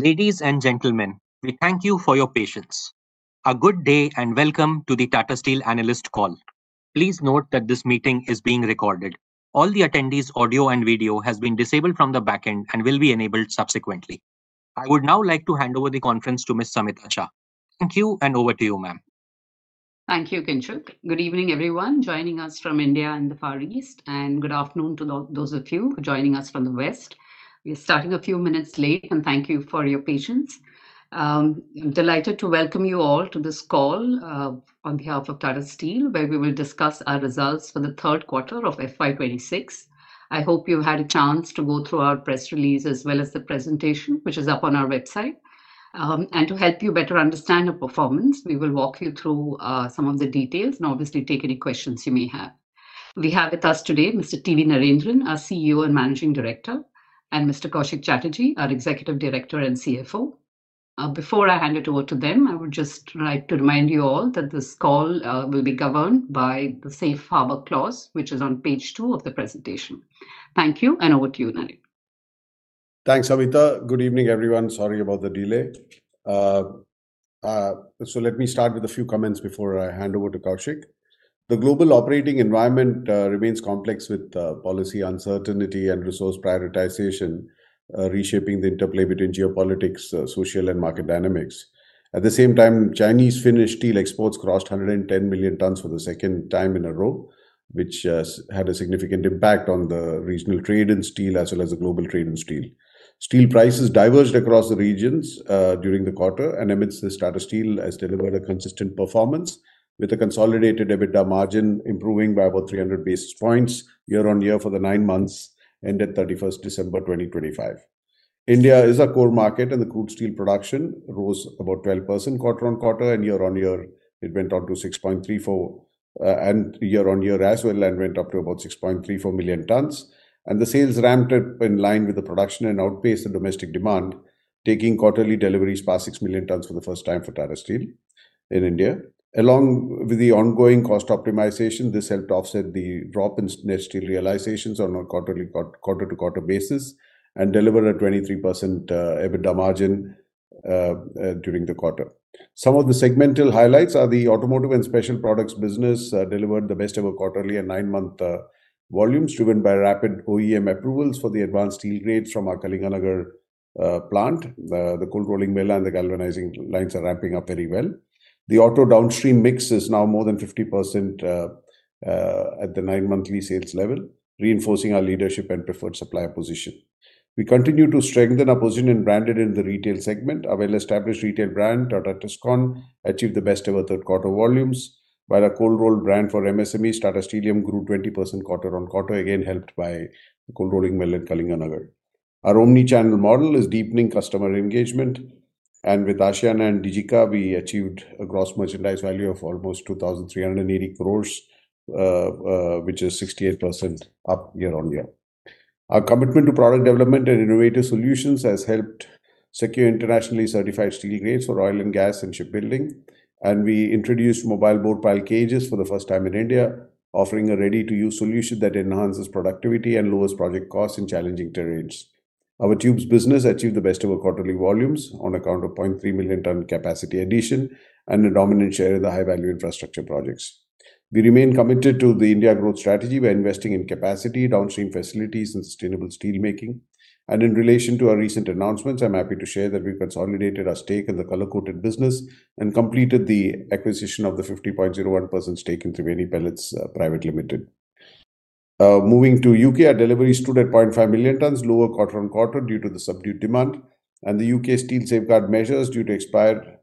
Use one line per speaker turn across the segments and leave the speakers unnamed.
Ladies and gentlemen, we thank you for your patience. A good day and welcome to the Tata Steel Analyst call. Please note that this meeting is being recorded. All the attendees' audio and video have been disabled from the backend and will be enabled subsequently. I would now like to hand over the conference to Ms. Samita Shah. Thank you, and over to you, ma'am.
Thank you, Kinshuk. Good evening, everyone, joining us from India and the Far East, and good afternoon to those of you joining us from the West. We are starting a few minutes late, and thank you for your patience. I'm delighted to welcome you all to this call on behalf of Tata Steel, where we will discuss our results for the third quarter of FY26. I hope you've had a chance to go through our press release as well as the presentation, which is up on our website. To help you better understand our performance, we will walk you through some of the details and obviously take any questions you may have. We have with us today Mr. T. V. Narendran, our CEO and Managing Director, and Mr. Koushik Chatterjee, our Executive Director and CFO. Before I hand it over to them, I would just like to remind you all that this call will be governed by the Safe Harbor Clause, which is on page 2 of the presentation. Thank you, and over to you, Narendran.
Thanks, Samita. Good evening, everyone. Sorry about the delay. Let me start with a few comments before I hand over to Koushik. The global operating environment remains complex with policy uncertainty and resource prioritization reshaping the interplay between geopolitics, social, and market dynamics. At the same time, Chinese-finished steel exports crossed 110 million tons for the second time in a row, which had a significant impact on the regional trade in steel as well as the global trade in steel. Steel prices diverged across the regions during the quarter, and amidst this, Tata Steel has delivered a consistent performance with a consolidated EBITDA margin improving by about 300 basis points year-on-year for the nine months ended 31 December 2025. India is a core market, and the crude steel production rose about 12% quarter-on-quarter, and year-on-year, it went up to 6.34 and year-on-year as well and went up to about 6.34 million tons. The sales ramped up in line with the production and outpaced the domestic demand, taking quarterly deliveries past 6 million tons for the first time for Tata Steel in India. Along with the ongoing cost optimization, this helped offset the drop in net steel realizations on a quarter-on-quarter basis and delivered a 23% EBITDA margin during the quarter. Some of the segmental highlights are the automotive and special products business delivered the best-ever quarterly and nine-month volumes driven by rapid OEM approvals for the advanced steel grades from our Kalinganagar plant. The cold-rolling mill and the galvanizing lines are ramping up very well. The auto downstream mix is now more than 50% at the nine-month sales level, reinforcing our leadership and preferred supplier position. We continue to strengthen our position and branded in the retail segment. Our well-established retail brand, Tata Tiscon, achieved the best-ever third-quarter volumes, while our cold-rolled brand for MSMEs, Tata Steelium, grew 20% quarter-on-quarter, again helped by the cold-rolling mill in Kalinganagar. Our omnichannel model is deepening customer engagement. And with ASEAN and DigECA, we achieved a gross merchandise value of almost ₹ 2,380 crore, which is 68% up year-on-year. Our commitment to product development and innovative solutions has helped secure internationally certified steel grades for oil and gas and shipbuilding. And we introduced mobile bore pile cages for the first time in India, offering a ready-to-use solution that enhances productivity and lowers project costs in challenging terrains. Our tubes business achieved the best-ever quarterly volumes on account of 0.3 million ton capacity addition and a dominant share in the high-value infrastructure projects. We remain committed to the India growth strategy by investing in capacity, downstream facilities, and sustainable steelmaking. In relation to our recent announcements, I'm happy to share that we've consolidated our stake in the color-coated business and completed the acquisition of the 50.01% stake in Thriveni Pellets Pvt Ltd. Moving to UK, our deliveries stood at 0.5 million tons, lower quarter-on-quarter due to the subdued demand. The UK steel safeguard measures due to expire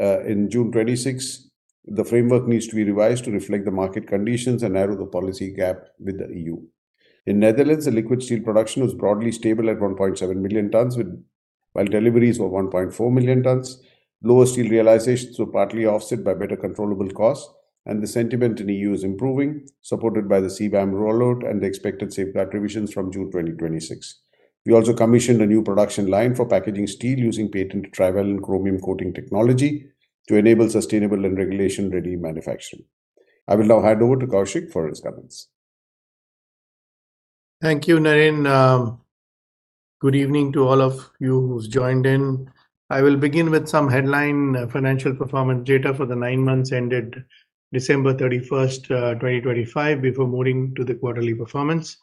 on June 26, the framework needs to be revised to reflect the market conditions and narrow the policy gap with the EU. In Netherlands, the liquid steel production was broadly stable at 1.7 million tons, while deliveries were 1.4 million tons, lower steel realizations so partly offset by better controllable costs. The sentiment in the EU. is improving, supported by the CBAM rollout and the expected safeguard revisions from June 2026. We also commissioned a new production line for packaging steel using patented trivalent chromium coating technology to enable sustainable and regulation-ready manufacturing. I will now hand over to Koushik for his comments.
Thank you, Narendran. Good evening to all of you who've joined in. I will begin with some headline financial performance data for the nine months ended December 31, 2025, before moving to the quarterly performance.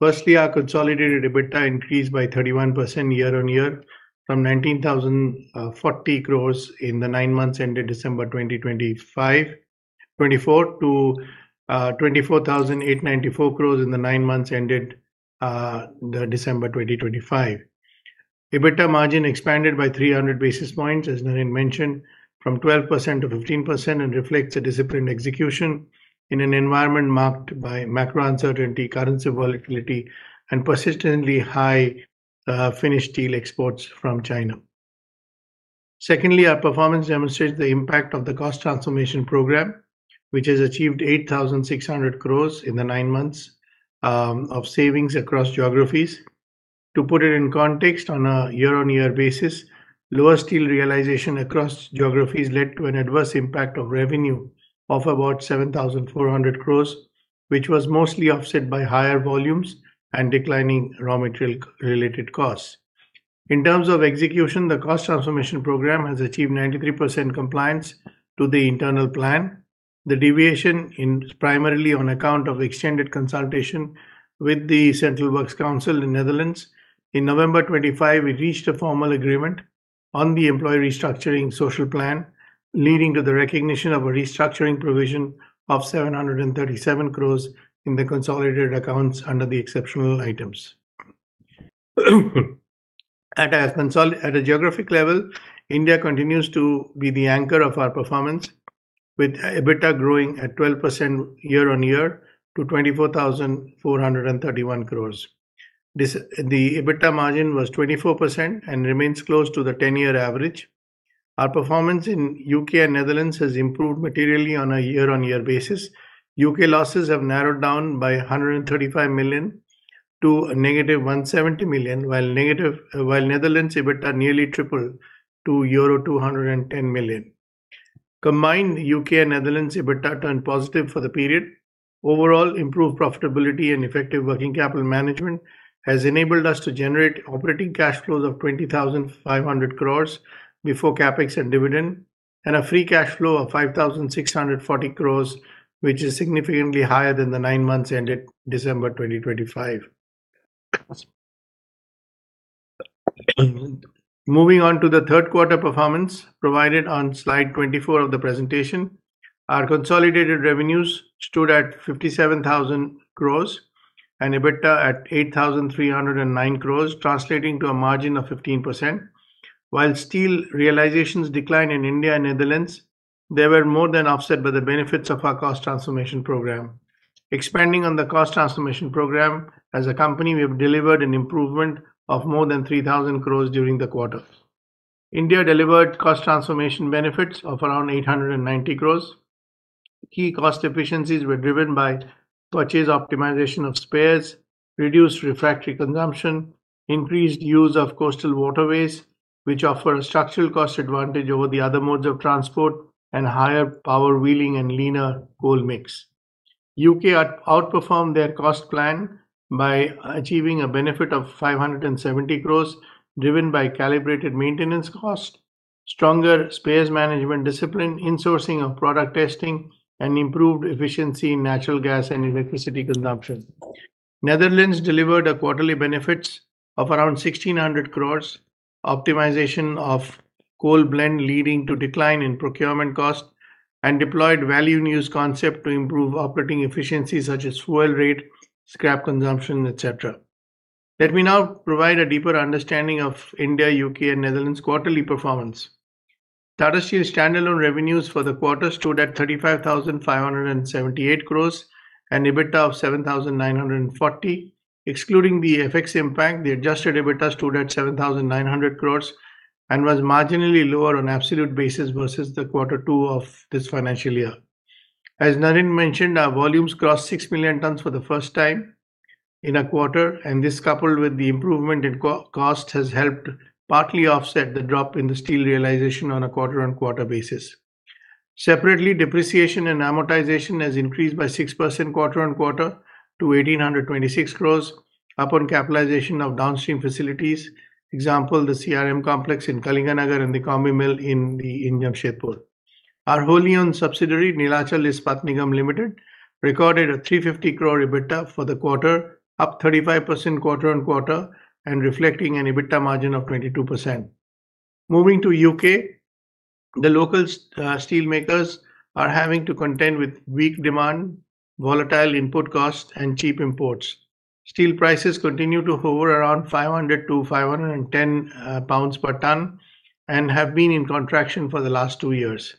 Firstly, our consolidated EBITDA increased by 31% year-on-year from ₹ 19,040 crores in the nine months ended December 2024 to ₹ 24,894 crores in the nine months ended December 2025. EBITDA margin expanded by 300 basis points, as Narendran mentioned, from 12%-15% and reflects a disciplined execution in an environment marked by macro uncertainty, currency volatility, and persistently high finished steel exports from China. Secondly, our performance demonstrates the impact of the cost transformation program, which has achieved ₹ 8,600 crores in the nine months of savings across geographies. To put it in context, on a year-on-year basis, lower steel realization across geographies led to an adverse impact of revenue of about ₹ 7,400 crores, which was mostly offset by higher volumes and declining raw material-related costs. In terms of execution, the cost transformation program has achieved 93% compliance to the internal plan. The deviation is primarily on account of extended consultation with the Central Works Council in Netherlands. In November 25, we reached a formal agreement on the employee restructuring social plan, leading to the recognition of a restructuring provision of ₹ 737 crores in the consolidated accounts under the exceptional items. At a geographic level, India continues to be the anchor of our performance, with EBITDA growing at 12% year-on-year to ₹ 24,431 crores. The EBITDA margin was 24% and remains close to the 10-year average. Our performance in the UK and Netherlands has improved materially on a year-on-year basis. UK losses have narrowed down by £ 135 million to -£ 170 million, while Netherlands' EBITDA nearly tripled to -€ 210 million. Combined, UK and Netherlands' EBITDA turned positive for the period. Overall, improved profitability and effective working capital management have enabled us to generate operating cash flows of ₹ 20,500 crores before CapEx and dividend, and a free cash flow of ₹ 5,640 crores, which is significantly higher than the nine months ended December 2025. Moving on to the third-quarter performance provided on slide 24 of the presentation, our consolidated revenues stood at ₹ 57,000 crores and EBITDA at ₹ 8,309 crores, translating to a margin of 15%. While steel realizations declined in India and Netherlands, they were more than offset by the benefits of our cost transformation program. Expanding on the cost transformation program, as a company, we have delivered an improvement of more than ₹ 3,000 crore during the quarter. India delivered cost transformation benefits of around ₹ 890 crore. Key cost efficiencies were driven by purchase optimization of spares, reduced refractory consumption, and increased use of coastal waterways, which offer a structural cost advantage over the other modes of transport and higher power wheeling and leaner coal mix. The UK outperformed their cost plan by achieving a benefit of ₹ 570 crore driven by calibrated maintenance costs, stronger spares management discipline, insourcing of product testing, and improved efficiency in natural gas and electricity consumption. The Netherlands delivered a quarterly benefit of around ₹ 1,600 crore, optimization of coal blend leading to a decline in procurement costs, and deployed a value news concept to improve operating efficiencies such as fuel rate, scrap consumption, etc. Let me now provide a deeper understanding of India, UK, and Netherlands' quarterly performance. Tata Steel's standalone revenues for the quarter stood at ₹ 35,578 crore and an EBITDA of ₹ 7,940 crore. Excluding the FX impact, the adjusted EBITDA stood at ₹ 7,900 crore and was marginally lower on an absolute basis versus quarter two of this financial year. As Narendran mentioned, our volumes crossed 6 million tons for the first time in a quarter, and this, coupled with the improvement in costs, has helped partly offset the drop in the steel realization on a quarter-on-quarter basis. Separately, depreciation and amortization have increased by 6% quarter-on-quarter to ₹ 1,826 crore upon capitalization of downstream facilities. Example: the CRM complex in Kalinganagar and the Combi Mill in Jamshedpur. Our wholly-owned subsidiary, Neelachal Ispat Nigam Limited, recorded an ₹ 350 crore EBITDA for the quarter, up 35% quarter-on-quarter and reflecting an EBITDA margin of 22%. Moving to the UK, the local steelmakers are having to contend with weak demand, volatile input costs, and cheap imports. Steel prices continue to hover around £ 500-£ 510 per ton and have been in contraction for the last two years.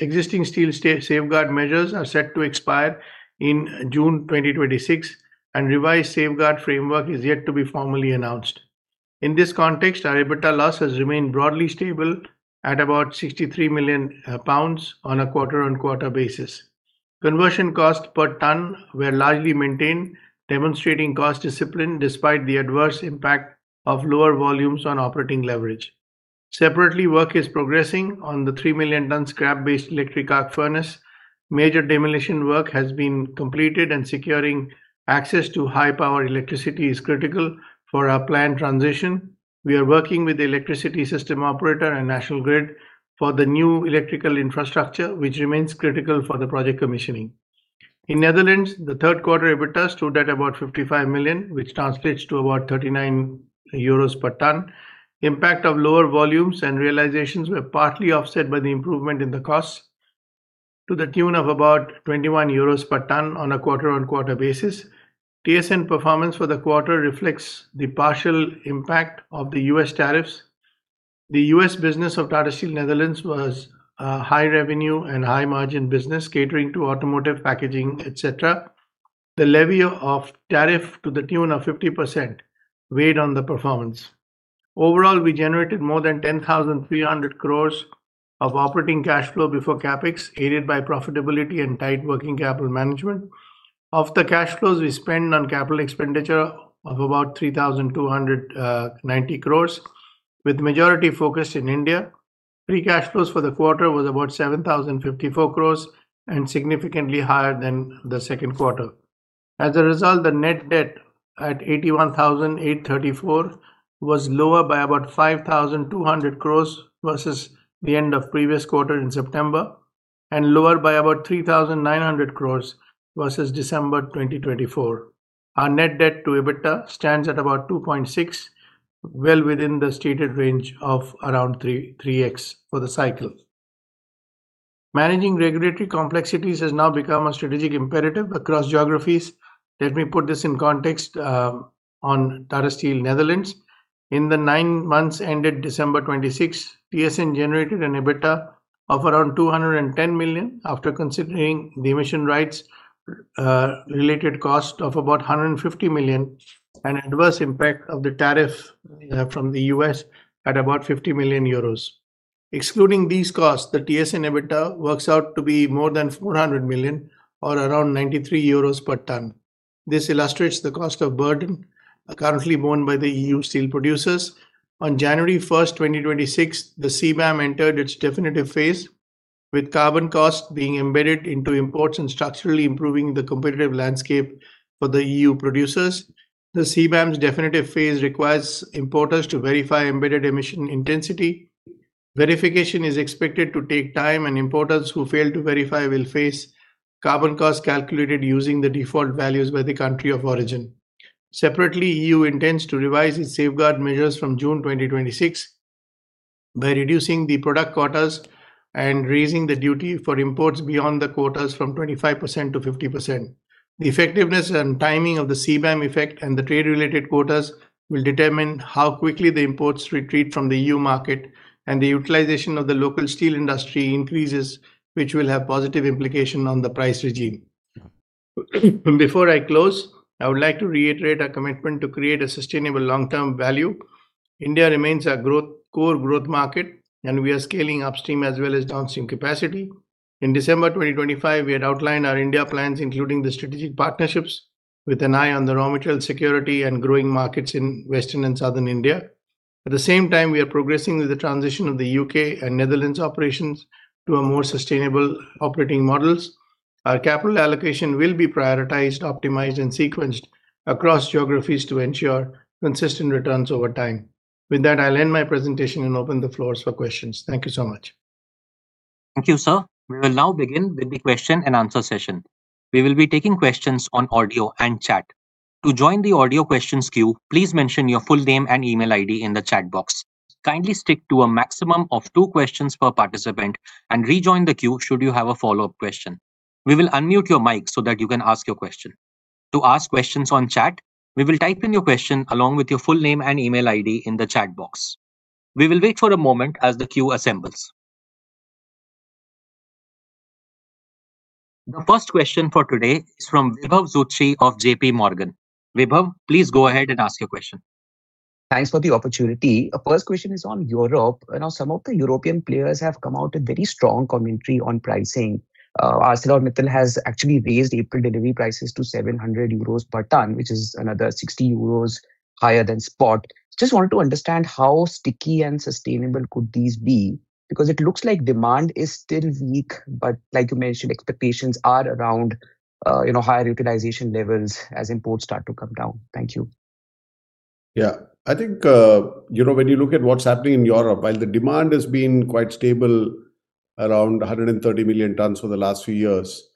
Existing steel safeguard measures are set to expire in June 2026, and a revised safeguard framework is yet to be formally announced. In this context, our EBITDA loss has remained broadly stable at about £ 63 million on a quarter-on-quarter basis. Conversion costs per ton were largely maintained, demonstrating cost discipline despite the adverse impact of lower volumes on operating leverage. Separately, work is progressing on the 3-million-ton scrap-based electric arc furnace. Major demolition work has been completed, and securing access to high-power electricity is critical for our planned transition. We are working with the Electricity System Operator and National Grid for the new electrical infrastructure, which remains critical for the project commissioning. In the Netherlands, the third-quarter EBITDA stood at about € 55 million, which translates to about € 39 per ton. The impact of lower volumes and realizations was partly offset by the improvement in the costs to the tune of about € 21 per ton on a quarter-on-quarter basis. TSN performance for the quarter reflects the partial impact of the US tariffs. The US business of Tata Steel Netherlands was a high-revenue and high-margin business catering to automotive, packaging, etc. The levy of tariff to the tune of 50% weighed on the performance. Overall, we generated more than ₹ 10,300 crores of operating cash flow before CapEx, aided by profitability and tight working capital management. Of the cash flows, we spent on capital expenditure of about ₹ 3,290 crores, with the majority focused in India. Free cash flows for the quarter were about ₹ 7,054 crores and significantly higher than the second quarter. As a result, the net debt at ₹ 81,834 crores was lower by about ₹ 5,200 crores versus the end of the previous quarter in September and lower by about ₹ 3,900 crores versus December 2024. Our net debt to EBITDA stands at about 2.6, well within the stated range of around 3x for the cycle. Managing regulatory complexities has now become a strategic imperative across geographies. Let me put this in context on Tata Steel Netherlands. In the nine months ended December 26, TSN generated an EBITDA of around € 210 million after considering the emission rights-related cost of about € 150 million and the adverse impact of the tariff from the US at about € 50 million. Excluding these costs, the TSN EBITDA works out to be more than € 400 million or around € 93 per ton. This illustrates the cost of burden currently borne by the EU steel producers. On January 1, 2026, the CBAM entered its definitive phase, with carbon costs being embedded into imports and structurally improving the competitive landscape for the EU. producers. The CBAM's definitive phase requires importers to verify embedded emission intensity. Verification is expected to take time, and importers who fail to verify will face carbon costs calculated using the default values by the country of origin. Separately, the EU intends to revise its safeguard measures from June 2026 by reducing the product quotas and raising the duty for imports beyond the quotas from 25%-50%. The effectiveness and timing of the CBAM effect and the trade-related quotas will determine how quickly the imports retreat from the EU market and the utilization of the local steel industry increases, which will have positive implications on the price regime. Before I close, I would like to reiterate our commitment to create a sustainable long-term value. India remains a core growth market, and we are scaling upstream as well as downstream capacity. In December 2025, we had outlined our India plans, including the strategic partnerships with an eye on the raw material security and growing markets in Western and Southern India. At the same time, we are progressing with the transition of the UK and Netherlands operations to more sustainable operating models. Our capital allocation will be prioritized, optimized, and sequenced across geographies to ensure consistent returns over time. With that, I'll end my presentation and open the floor for questions. Thank you so much.
Thank you, sir. We will now begin with the question-and-answer session. We will be taking questions on audio and chat. To join the audio questions queue, please mention your full name and email ID in the chat box. Kindly stick to a maximum of 2 questions per participant and rejoin the queue should you have a follow-up question. We will unmute your mic so that you can ask your question. To ask questions on chat, we will type in your question along with your full name and email ID in the chat box. We will wait for a moment as the queue assembles. The first question for today is from Vibhav Zutshi of J.P. Morgan. Vibhav, please go ahead and ask your question.
Thanks for the opportunity. The first question is on Europe. You know, some of the European players have come out with very strong commentary on pricing. ArcelorMittal has actually raised April delivery prices to € 700 per ton, which is another € 60 higher than spot. I just wanted to understand how sticky and sustainable could these be because it looks like demand is still weak, but like you mentioned, expectations are around, higher utilization levels as imports start to come down. Thank you.
Yeah, I think, you know, when you look at what's happening in Europe, while the demand has been quite stable around 130 million tons for the last few years,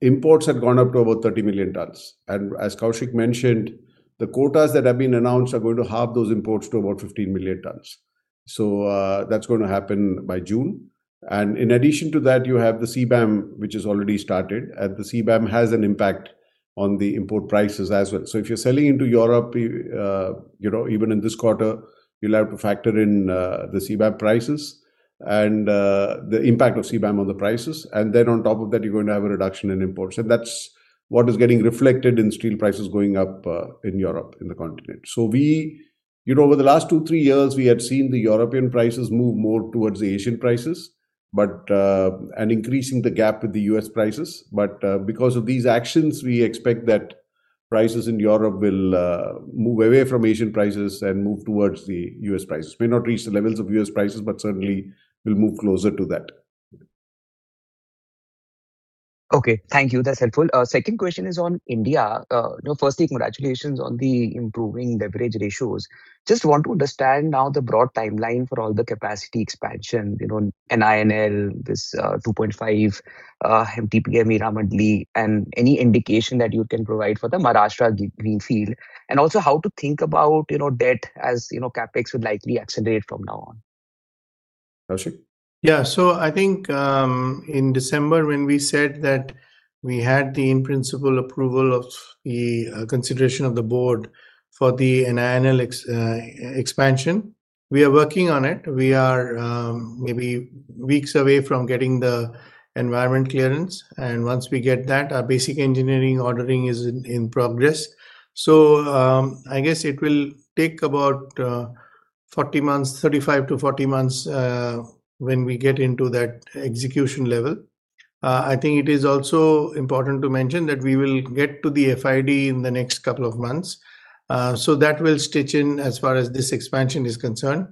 imports have gone up to about 30 million tons. And as Koushik mentioned, the quotas that have been announced are going to halve those imports to about 15 million tons. So, that's going to happen by June. And in addition to that, you have the CBAM, which has already started, and the CBAM has an impact on the import prices as well. So, if you're selling into Europe, you know, even in this quarter, you'll have to factor in the CBAM prices and the impact of CBAM on the prices. And then, on top of that, you're going to have a reduction in imports. And that's what is getting reflected in steel prices going up in Europe, in the continent. So, we, over the last 2-3 years, we had seen the European prices move more towards the Asian prices and increasing the gap with the U.S. prices. But because of these actions, we expect that prices in Europe will move away from Asian prices and move towards the U.S. prices. May not reach the levels of U.S. prices, but certainly will move closer to that.
Okay, thank you. That's helpful. The second question is on India. Firstly, congratulations on the improving leverage ratios. Just want to understand now the broad timeline for all the capacity expansion, NINL, this 2.5 MTPM, Meramandali, and any indication that you can provide for the Maharashtra greenfield, and also how to think about, debt as, CapEx would likely accelerate from now on.
Koushik?
Yeah, so I think in December, when we said that we had the in-principle approval of the consideration of the board for the NINL expansion, we are working on it. We are maybe weeks away from getting the environment clearance. And once we get that, our basic engineering ordering is in progress. So, I guess it will take about 35-40 months when we get into that execution level. I think it is also important to mention that we will get to the FID in the next couple of months. So, that will stitch in as far as this expansion is concerned.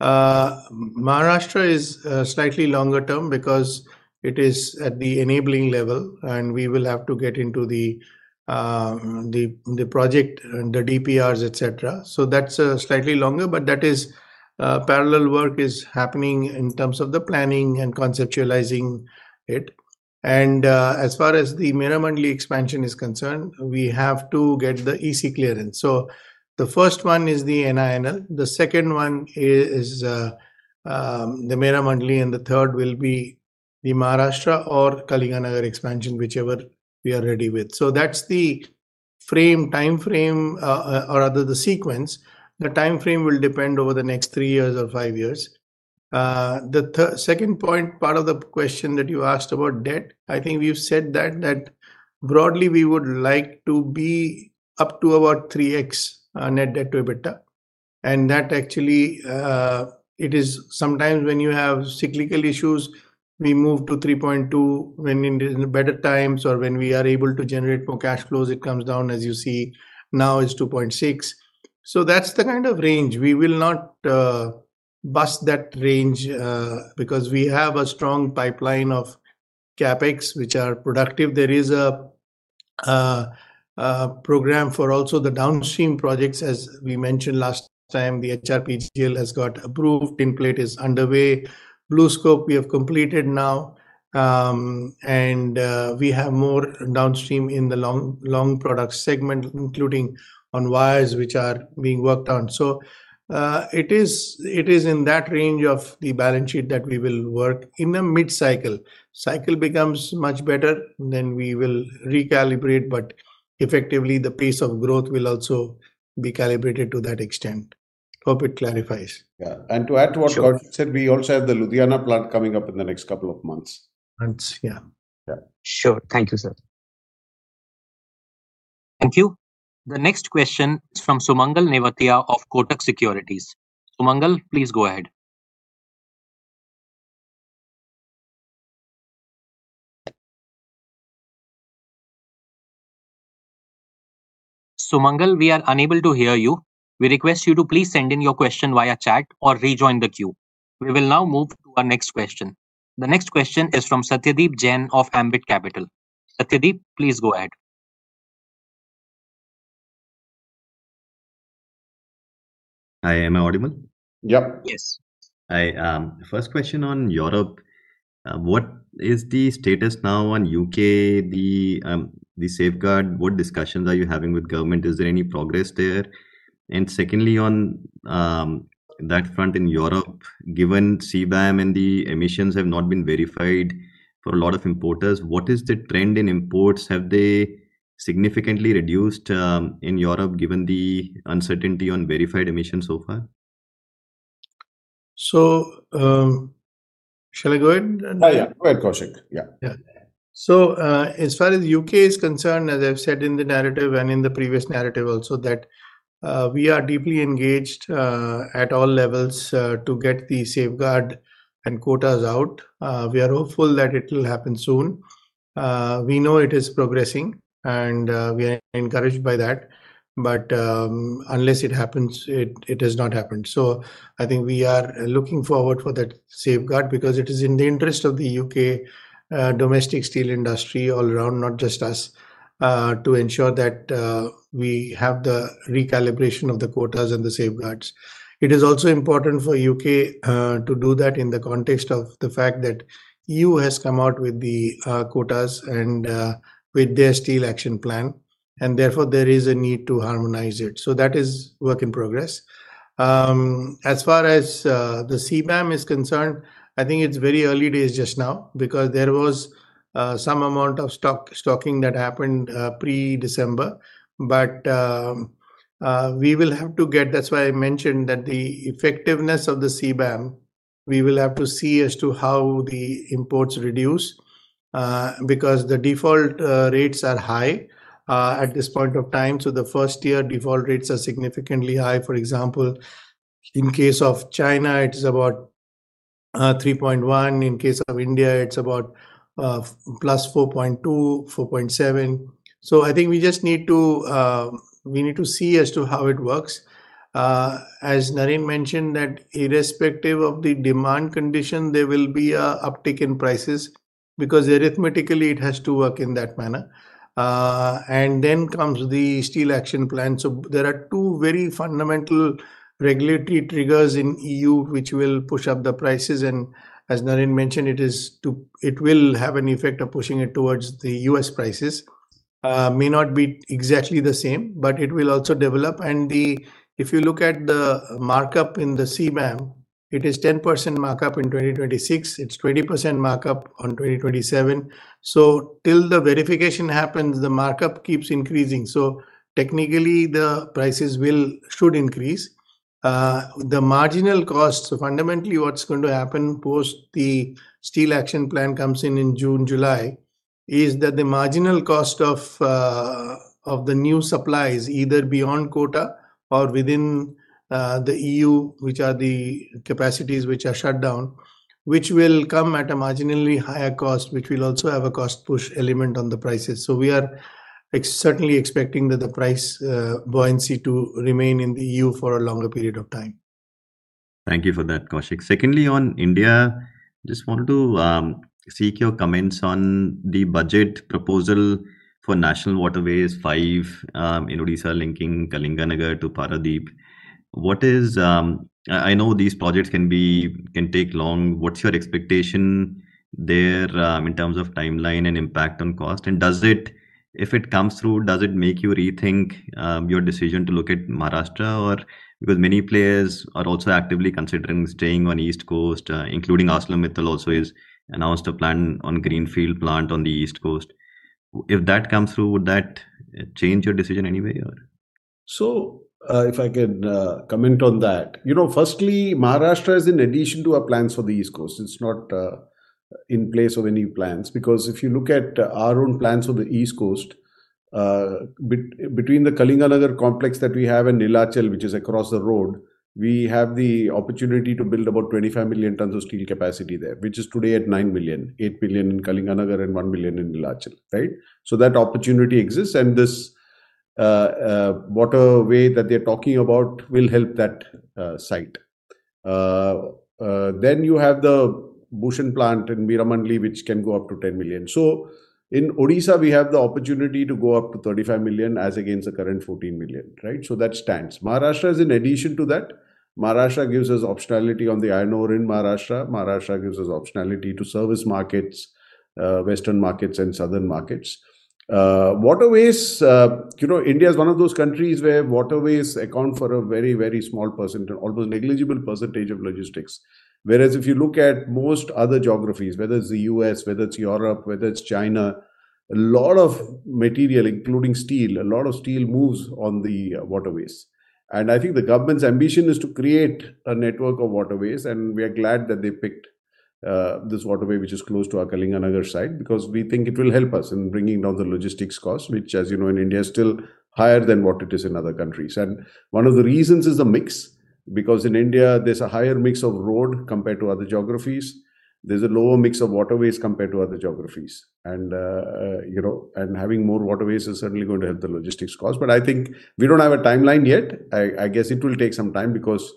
Maharashtra is slightly longer-term because it is at the enabling level, and we will have to get into the project and the DPRs, etc. So, that's slightly longer, but that is parallel work is happening in terms of the planning and conceptualizing it. As far as the Meramandali expansion is concerned, we have to get the EC clearance. So, the first one is the NINL. The second one is the Meramandali, and the third will be the Maharashtra or Kalinganagar expansion, whichever we are ready with. So, that's the timeframe, or rather the sequence. The timeframe will depend over the next 3 years or 5 years. The second point, part of the question that you asked about debt, I think we've said that broadly, we would like to be up to about 3x net debt to EBITDA. And that actually, it is sometimes when you have cyclical issues, we move to 3.2. When in better times or when we are able to generate more cash flows, it comes down, as you see now, it's 2.6. So, that's the kind of range. We will not bust that range because we have a strong pipeline of CapEx, which are productive. There is a program for also the downstream projects, as we mentioned last time. The HRPGL has got approved. Tinplate is underway. BlueScope, we have completed now. We have more downstream in the long product segment, including on wires, which are being worked on. So, it is in that range of the balance sheet that we will work in the mid-cycle. Cycle becomes much better, then we will recalibrate, but effectively, the pace of growth will also be calibrated to that extent. Hope it clarifies.
Yeah, and to add to what Koushik said, we also have the Ludhiana plant coming up in the next couple of months.
Months, yeah.
Yeah.
Sure. Thank you, sir.
Thank you. The next question is from Sumangal Nevatia of Kotak Securities. Sumangal, please go ahead. Sumangal, we are unable to hear you. We request you to please send in your question via chat or rejoin the queue. We will now move to our next question. The next question is from Satyadeep Jain of Ambit Capital. Satyadeep, please go ahead.
Hi, am I audible?
Yep, Yes.
Hi, first question on Europe. What is the status now on UK, the safeguard? What discussions are you having with government? Is there any progress there? And secondly, on that front in Europe, given CBAM and the emissions have not been verified for a lot of importers, what is the trend in imports? Have they significantly reduced in Europe given the uncertainty on verified emissions so far?
Shall I go ahead and? Yeah, yeah, go ahead, Koushik. Yeah.
Yeah. So, as far as the UK is concerned, as I've said in the narrative and in the previous narrative also, that we are deeply engaged at all levels to get the safeguard and quotas out. We are hopeful that it will happen soon. We know it is progressing, and we are encouraged by that. But unless it happens, it has not happened. So, I think we are looking forward to that safeguard because it is in the interest of the UK domestic steel industry all around, not just us, to ensure that we have the recalibration of the quotas and the safeguards. It is also important for the UK to do that in the context of the fact that the EU. has come out with the quotas and with their steel action plan, and therefore, there is a need to harmonize it. So, that is work in progress. As far as the CBAM is concerned, I think it's very early days just now because there was some amount of stocking that happened pre-December. But we will have to get—that's why I mentioned that the effectiveness of the CBAM, we will have to see as to how the imports reduce because the default rates are high at this point of time. So, the first-year default rates are significantly high. For example, in case of China, it's about 3.1. In case of India, it's about +4.2-4.7. So, I think we just need to—we need to see as to how it works. As Nareen mentioned, that irrespective of the demand condition, there will be an uptick in prices because arithmetically, it has to work in that manner. And then comes the steel action plan. There are two very fundamental regulatory triggers in the EU, which will push up the prices. As Nareen mentioned, it will have an effect of pushing it towards the U.S. prices. It may not be exactly the same, but it will also develop. If you look at the markup in the CBAM, it is 10% markup in 2026. It's 20% markup in 2027. Till the verification happens, the markup keeps increasing. Technically, the prices should increase. The marginal cost, so, fundamentally, what's going to happen post the steel action plan comes in in June, July, is that the marginal cost of the new supplies, either beyond quota or within the EU, which are the capacities that are shut down, will come at a marginally higher cost, which will also have a cost push element on the prices. We are certainly expecting that the price buoyancy to remain in the EU for a longer period of time.
Thank you for that, Koushik. Secondly, on India, I just wanted to seek your comments on the budget proposal for National Waterways 5 in Odisha, linking Kalinganagar to Paradeep. What is. I know these projects can take long. What's your expectation there in terms of timeline and impact on cost? And does it, if it comes through, does it make you rethink your decision to look at Maharashtra? Because many players are also actively considering staying on the East Coast, including ArcelorMittal also has announced a plan on a greenfield plant on the East Coast. If that comes through, would that change your decision anyway?
So, if I can comment on that, you know, firstly, Maharashtra is in addition to our plans for the East Coast. It's not in place of any plans because if you look at our own plans for the East Coast, between the Kalinganagar complex that we have and Neelachal, which is across the road, we have the opportunity to build about 25 million tons of steel capacity there, which is today at 9 million, 8 million in Kalinganagar and 1 million in Neelachal, right? So, that opportunity exists, and this waterway that they're talking about will help that site. Then you have the Bhushan plant in Meramandali, which can go up to 10 million. So, in Odisha, we have the opportunity to go up to 35 million against the current 14 million, right? So, that stands. Maharashtra is in addition to that. Maharashtra gives us optionality on the iron ore in Maharashtra. Maharashtra gives us optionality to service markets, Western markets, and Southern markets. Waterways, you know, India is one of those countries where waterways account for a very, very small percentage, almost negligible percentage of logistics. Whereas if you look at most other geographies, whether it's the U.S., whether it's Europe, whether it's China, a lot of material, including steel, a lot of steel moves on the waterways. And I think the government's ambition is to create a network of waterways, and we are glad that they picked this waterway, which is close to our Kalinganagar site, because we think it will help us in bringing down the logistics cost, which, as you know, in India is still higher than what it is in other countries. One of the reasons is the mix, because in India, there's a higher mix of road compared to other geographies. There's a lower mix of waterways compared to other geographies. You know, having more waterways is certainly going to help the logistics cost. But I think we don't have a timeline yet. I guess it will take some time because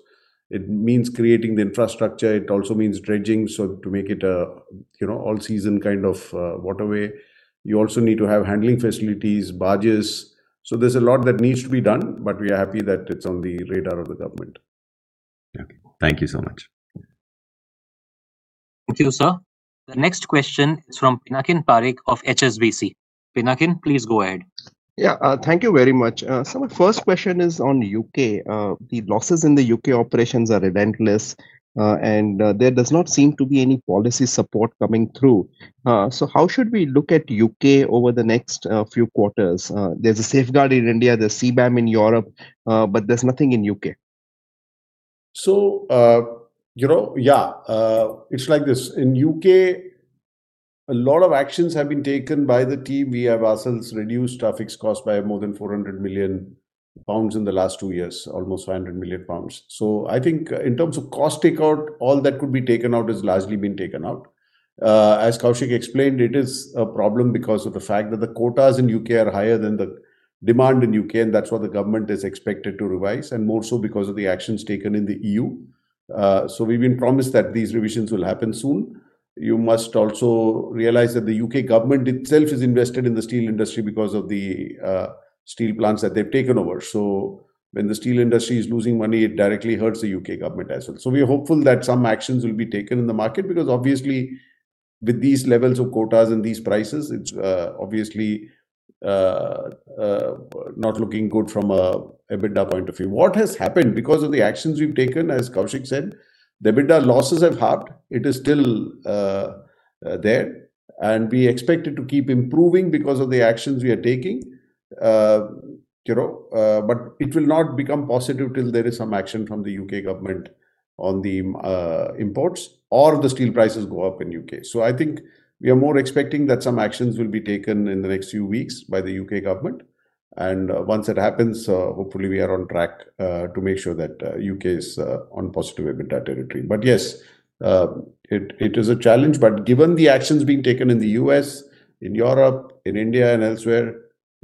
it means creating the infrastructure. It also means dredging. So, to make it an all-season kind of waterway, you also need to have handling facilities, barges. So, there's a lot that needs to be done, but we are happy that it's on the radar of the government.
Okay, thank you so much.
Thank you, sir. The next question is from Pinakin Parikh of HSBC. Pinakin, please go ahead.
Yeah, thank you very much. So, my first question is on the UK. The losses in the UK operations are relentless, and there does not seem to be any policy support coming through. So, how should we look at the UK over the next few quarters? There's a safeguard in India, there's CBAM in Europe, but there's nothing in the UK.
So, yeah, it's like this. In the UK, a lot of actions have been taken by the team. We have ourselves reduced traffic costs by more than £ 400 million in the last two years, almost £ 500 million. So, I think in terms of cost takeout, all that could be taken out has largely been taken out. As Koushik explained, it is a problem because of the fact that the quotas in the UK are higher than the demand in the UK, and that's what the government is expected to revise, and more so because of the actions taken in the EU. So, we've been promised that these revisions will happen soon. You must also realize that the UK government itself is invested in the steel industry because of the steel plants that they've taken over. So, when the steel industry is losing money, it directly hurts the UK government as well. So, we are hopeful that some actions will be taken in the market because obviously, with these levels of quotas and these prices, it's obviously not looking good from an EBITDA point of view. What has happened because of the actions we've taken, as Koushik said, the EBITDA losses have happened. It is still there. And we expect it to keep improving because of the actions we are taking. But it will not become positive till there is some action from the UK government on the imports or the steel prices go up in the UK So, I think we are more expecting that some actions will be taken in the next few weeks by the UK government. Once it happens, hopefully, we are on track to make sure that the UK is on positive EBITDA territory. Yes, it is a challenge. Given the actions being taken in the U.S., in Europe, in India, and elsewhere,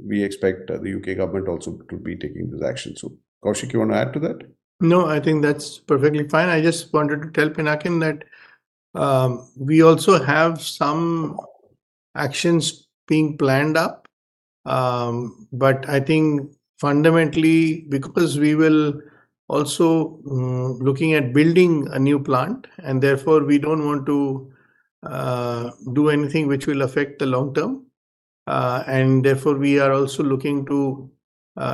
we expect the UK government also to be taking these actions. Koushik, you want to add to that?
No, I think that's perfectly fine. I just wanted to tell Pinakin that we also have some actions being planned up. But I think fundamentally, because we will also be looking at building a new plant, and therefore, we don't want to do anything which will affect the long term. And therefore, we are also looking to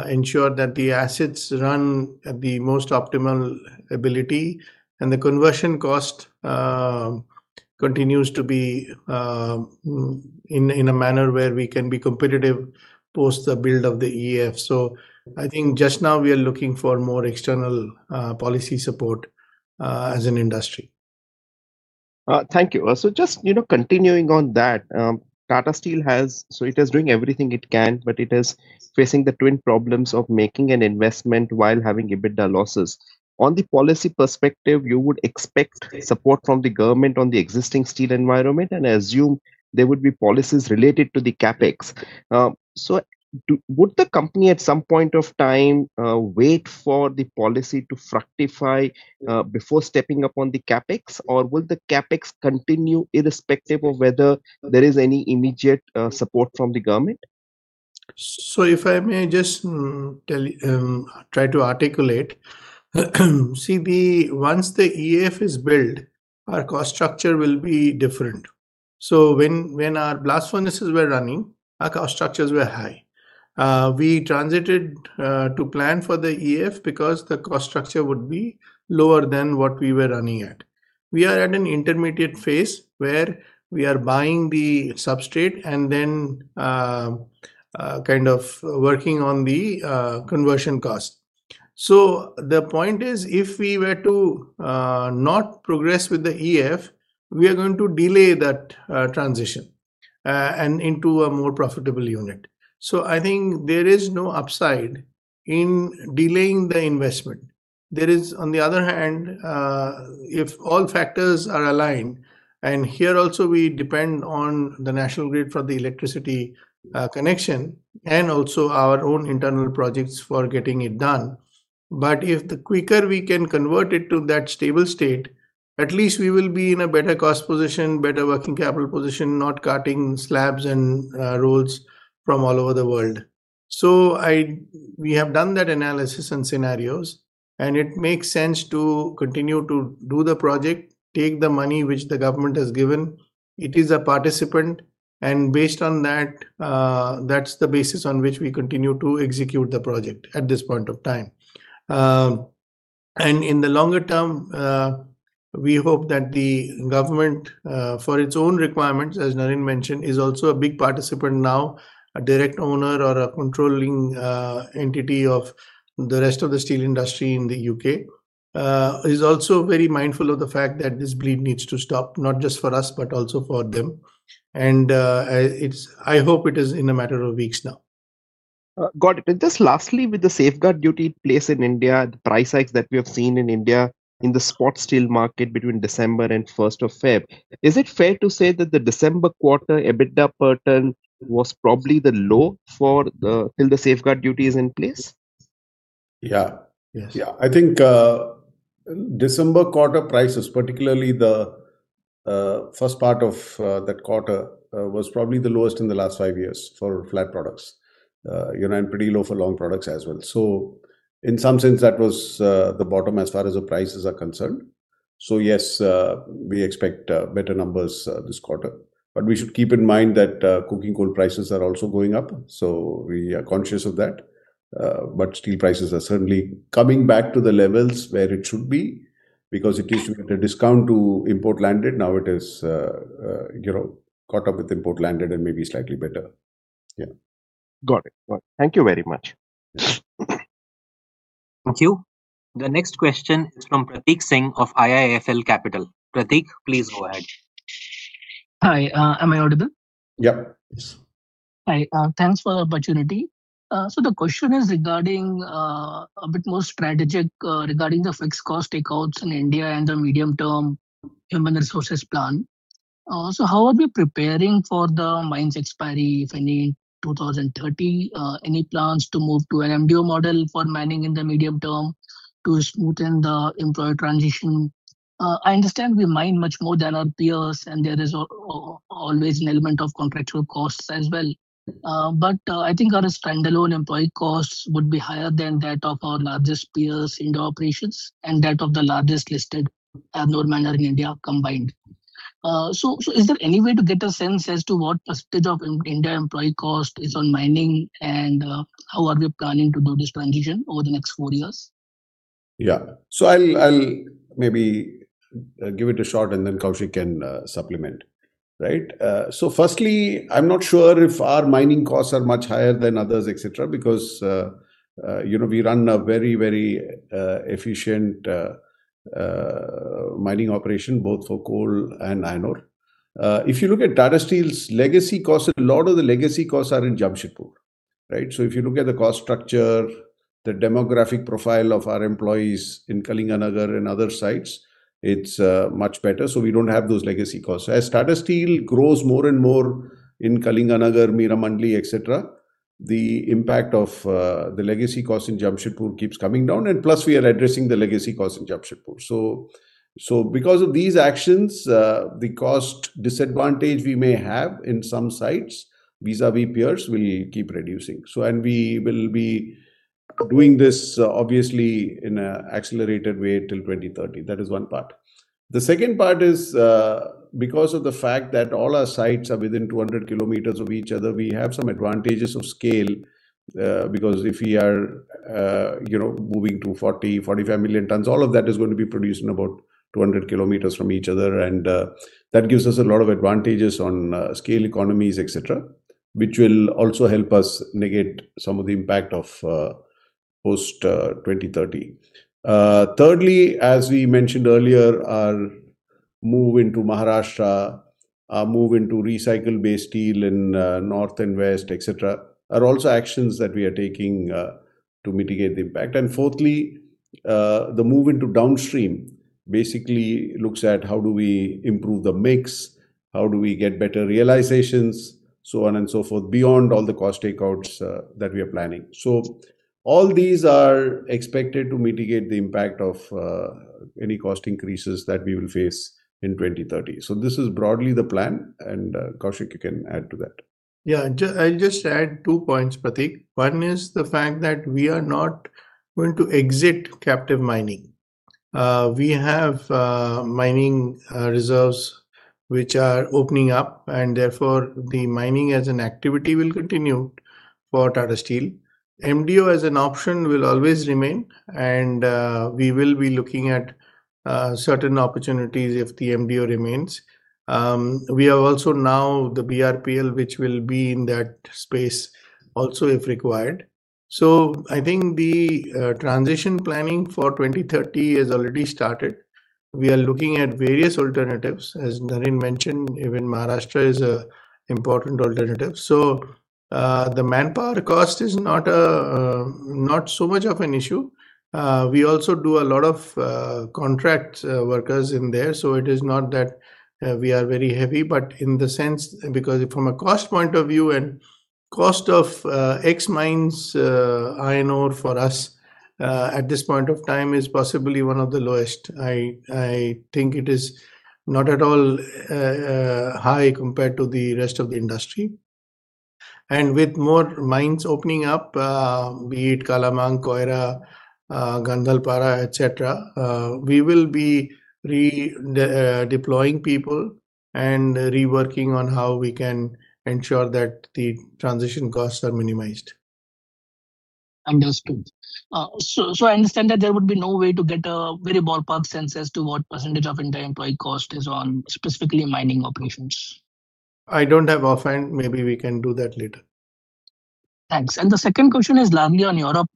ensure that the assets run at the most optimal ability, and the conversion cost continues to be in a manner where we can be competitive post the build of the EF. So, I think just now we are looking for more external policy support as an industry.
Thank you. So, just continuing on that, Tata Steel has, so it is doing everything it can, but it is facing the twin problems of making an investment while having EBITDA losses. On the policy perspective, you would expect support from the government on the existing steel environment and assume there would be policies related to the CapEx. So, would the company at some point of time wait for the policy to fructify before stepping up on the CapEx, or will the CapEx continue irrespective of whether there is any immediate support from the government?
If I may just try to articulate, see, once the EF is built, our cost structure will be different. When our blast furnaces were running, our cost structures were high. We transitioned to plan for the EF because the cost structure would be lower than what we were running at. We are at an intermediate phase where we are buying the substrate and then kind of working on the conversion cost. The point is, if we were to not progress with the EF, we are going to delay that transition into a more profitable unit. I think there is no upside in delaying the investment. There is, on the other hand, if all factors are aligned, and here also, we depend on the National Grid for the electricity connection and also our own internal projects for getting it done. But if the quicker we can convert it to that stable state, at least we will be in a better cost position, better working capital position, not cutting slabs and rolls from all over the world. So, we have done that analysis and scenarios, and it makes sense to continue to do the project, take the money which the government has given. It is a participant, and based on that, that's the basis on which we continue to execute the project at this point of time. And in the longer term, we hope that the government, for its own requirements, as Narendran mentioned, is also a big participant now, a direct owner or a controlling entity of the rest of the steel industry in the UK, is also very mindful of the fact that this bleed needs to stop, not just for us, but also for them. I hope it is in a matter of weeks now.
Got it. Just lastly, with the safeguard duty in place in India, the price hikes that we have seen in India in the spot steel market between December and 1st of February, is it fair to say that the December quarter EBITDA pattern was probably the low till the safeguard duty is in place?
Yeah, yeah, I think December quarter prices, particularly the first part of that quarter, was probably the lowest in the last five years for flat products, you know, and pretty low for long products as well. So, in some sense, that was the bottom as far as the prices are concerned. So, yes, we expect better numbers this quarter. But we should keep in mind that cooking coal prices are also going up. So, we are conscious of that. But steel prices are certainly coming back to the levels where it should be because it used to get a discount to import landed. Now it is, you know, caught up with import landed and maybe slightly better. Yeah.
Got it. Thank you very much.
Thank you. The next question is from Prateek Singh of IIFL Capital. Prateek, please go ahead.
Hi, am I audible?
Yep.
Hi, thanks for the opportunity. So, the question is regarding a bit more strategic regarding the fixed cost takeouts in India and the medium-term human resources plan. So, how are we preparing for the mines' expiry, if any, in 2030? Any plans to move to an MDO model for mining in the medium term to smoothen the employee transition? I understand we mine much more than our peers, and there is always an element of contractual costs as well. But I think our standalone employee costs would be higher than that of our largest peers' indoor operations and that of the largest listed iron ore miner in India combined. So, is there any way to get a sense as to what percentage of India employee cost is on mining, and how are we planning to do this transition over the next four years?
Yeah, so I'll maybe give it a shot, and then Koushik can supplement, right? So, firstly, I'm not sure if our mining costs are much higher than others, etc., because, you know, we run a very, very efficient mining operation both for coal and iron ore. If you look at Tata Steel's legacy costs, a lot of the legacy costs are in Jamshedpur, right? So, if you look at the cost structure, the demographic profile of our employees in Kalinganagar and other sites, it's much better. So, we don't have those legacy costs. As Tata Steel grows more and more in Kalinganagar, Meramandali, etc., the impact of the legacy costs in Jamshedpur keeps coming down, and plus, we are addressing the legacy costs in Jamshedpur. So, because of these actions, the cost disadvantage we may have in some sites, vis-à-vis peers, will keep reducing. So, and we will be doing this, obviously, in an accelerated way till 2030. That is one part. The second part is because of the fact that all our sites are within 200 km of each other, we have some advantages of scale because if we are, you know, moving to 40-45 million tons, all of that is going to be produced in about 200 km from each other. And that gives us a lot of advantages on scale economies, etc., which will also help us negate some of the impact of post-2030. Thirdly, as we mentioned earlier, our move into Maharashtra, our move into recycled-based steel in north and west, etc., are also actions that we are taking to mitigate the impact. And fourthly, the move into downstream basically looks at how do we improve the mix? How do we get better realizations, so on and so forth, beyond all the cost takeouts that we are planning? So, all these are expected to mitigate the impact of any cost increases that we will face in 2030. So, this is broadly the plan. And Koushik, you can add to that.
Yeah, I'll just add two points, Prateek. One is the fact that we are not going to exit captive mining. We have mining reserves which are opening up, and therefore, the mining as an activity will continue for Tata Steel. MDO as an option will always remain, and we will be looking at certain opportunities if the MDO remains. We have also now the BRPL, which will be in that space also if required. So, I think the transition planning for 2030 has already started. We are looking at various alternatives, as Narendran mentioned, even Maharashtra is an important alternative. So, the manpower cost is not so much of an issue. We also do a lot of contract workers in there. So, it is not that we are very heavy, but in the sense, because from a cost point of view, the cost of X mines iron ore for us at this point of time is possibly one of the lowest. I think it is not at all high compared to the rest of the industry. And with more mines opening up, be it Kalamang, Koira, Gandhalpada, etc., we will be redeploying people and reworking on how we can ensure that the transition costs are minimized.
Understood. So, I understand that there would be no way to get a very ballpark sense as to what percentage of India employee cost is on specifically mining operations?
I don't have offhand. Maybe we can do that later.
Thanks. The second question is largely on Europe.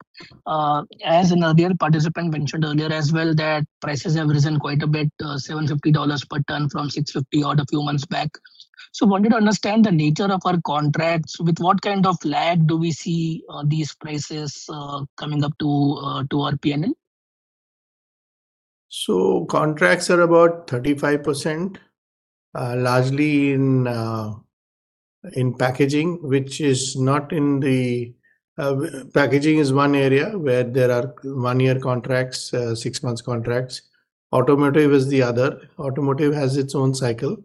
As an earlier participant mentioned earlier as well, that prices have risen quite a bit, $750 per ton from $650 odd a few months back. I wanted to understand the nature of our contracts. With what kind of lag do we see these prices coming up to our P&L?
So, contracts are about 35%, largely in packaging, which is not. In the packaging is one area where there are one-year contracts, six-month contracts. Automotive is the other. Automotive has its own cycle.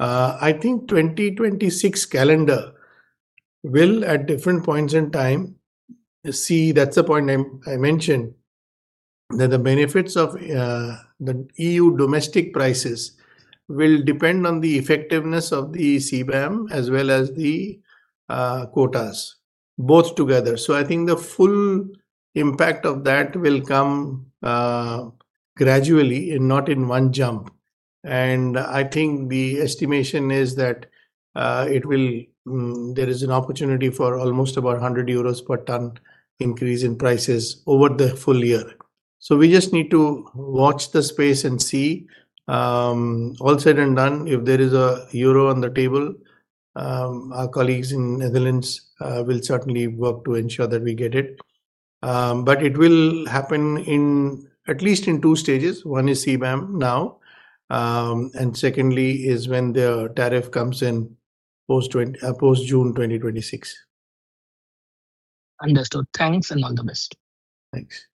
I think 2026 calendar will, at different points in time, see. That's the point I mentioned, that the benefits of the EU domestic prices will depend on the effectiveness of the CBAM as well as the quotas, both together. So, I think the full impact of that will come gradually and not in one jump. And I think the estimation is that there is an opportunity for almost about € 100 per ton increase in prices over the full year. So, we just need to watch the space and see all said and done. If there is a euro on the table, our colleagues in the Netherlands will certainly work to ensure that we get it. It will happen at least in two stages. One is CBAM now, and secondly is when the tariff comes in post-June 2026.
Understood. Thanks and all the best.
Thanks.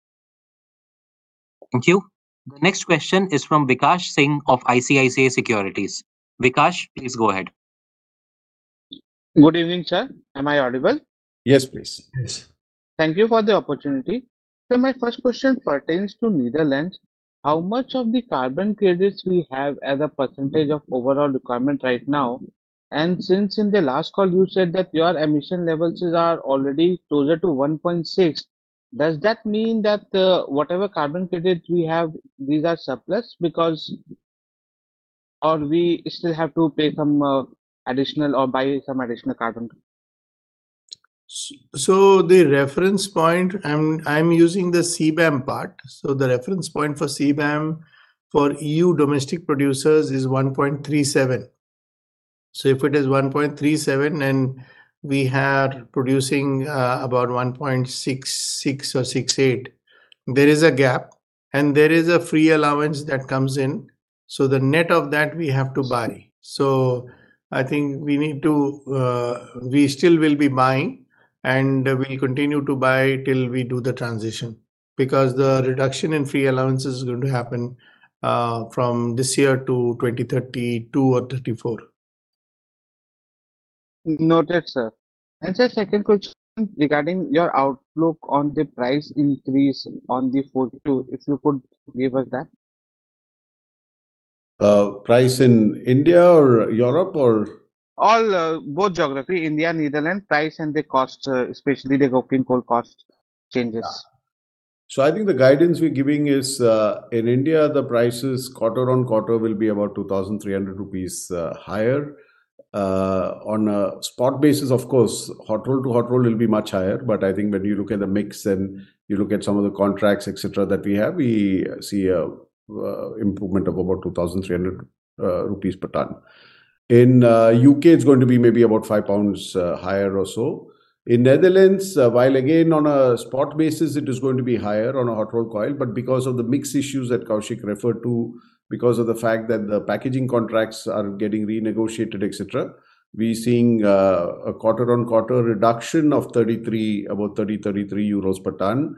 Thank you. The next question is from Vikash Singh of ICICI Securities. Vikas, please go ahead.
Good evening, sir. Am I audible?
Yes, please.
Yes. Thank you for the opportunity. So, my first question pertains to Netherlands. How much of the carbon credits we have as a percentage of overall requirement right now? And since in the last call you said that your emission levels are already closer to 1.6, does that mean that whatever carbon credits we have, these are surplus because we still have to pay some additional or buy some additional carbon?
The reference point I'm using the CBAM part. The reference point for CBAM for EU domestic producers is 1.37. If it is 1.37 and we are producing about 1.66 or 1.68, there is a gap, and there is a free allowance that comes in. The net of that, we have to buy. I think we need to. We still will be buying, and we'll continue to buy till we do the transition because the reduction in free allowances is going to happen from this year to 2032 or 2034.
Noted, sir. Just a second question regarding your outlook on the price increase on the '42, if you could give us that.
Price in India or Europe or?
All both geographies, India, Netherlands, price and the cost, especially the coking coal cost changes.
I think the guidance we're giving is in India, the prices quarter-over-quarter will be about ₹ 2,300 higher. On a spot basis, of course, hot roll to hot roll will be much higher. But I think when you look at the mix and you look at some of the contracts, etc., that we have, we see an improvement of about ₹ 2,300 per ton. In the UK, it's going to be maybe about £ 5 higher or so. In the Netherlands, while again on a spot basis, it is going to be higher on a hot roll coil. But because of the mix issues that Koushik referred to, because of the fact that the packaging contracts are getting renegotiated, etc., we're seeing a quarter-over-quarter reduction of about € 33 per ton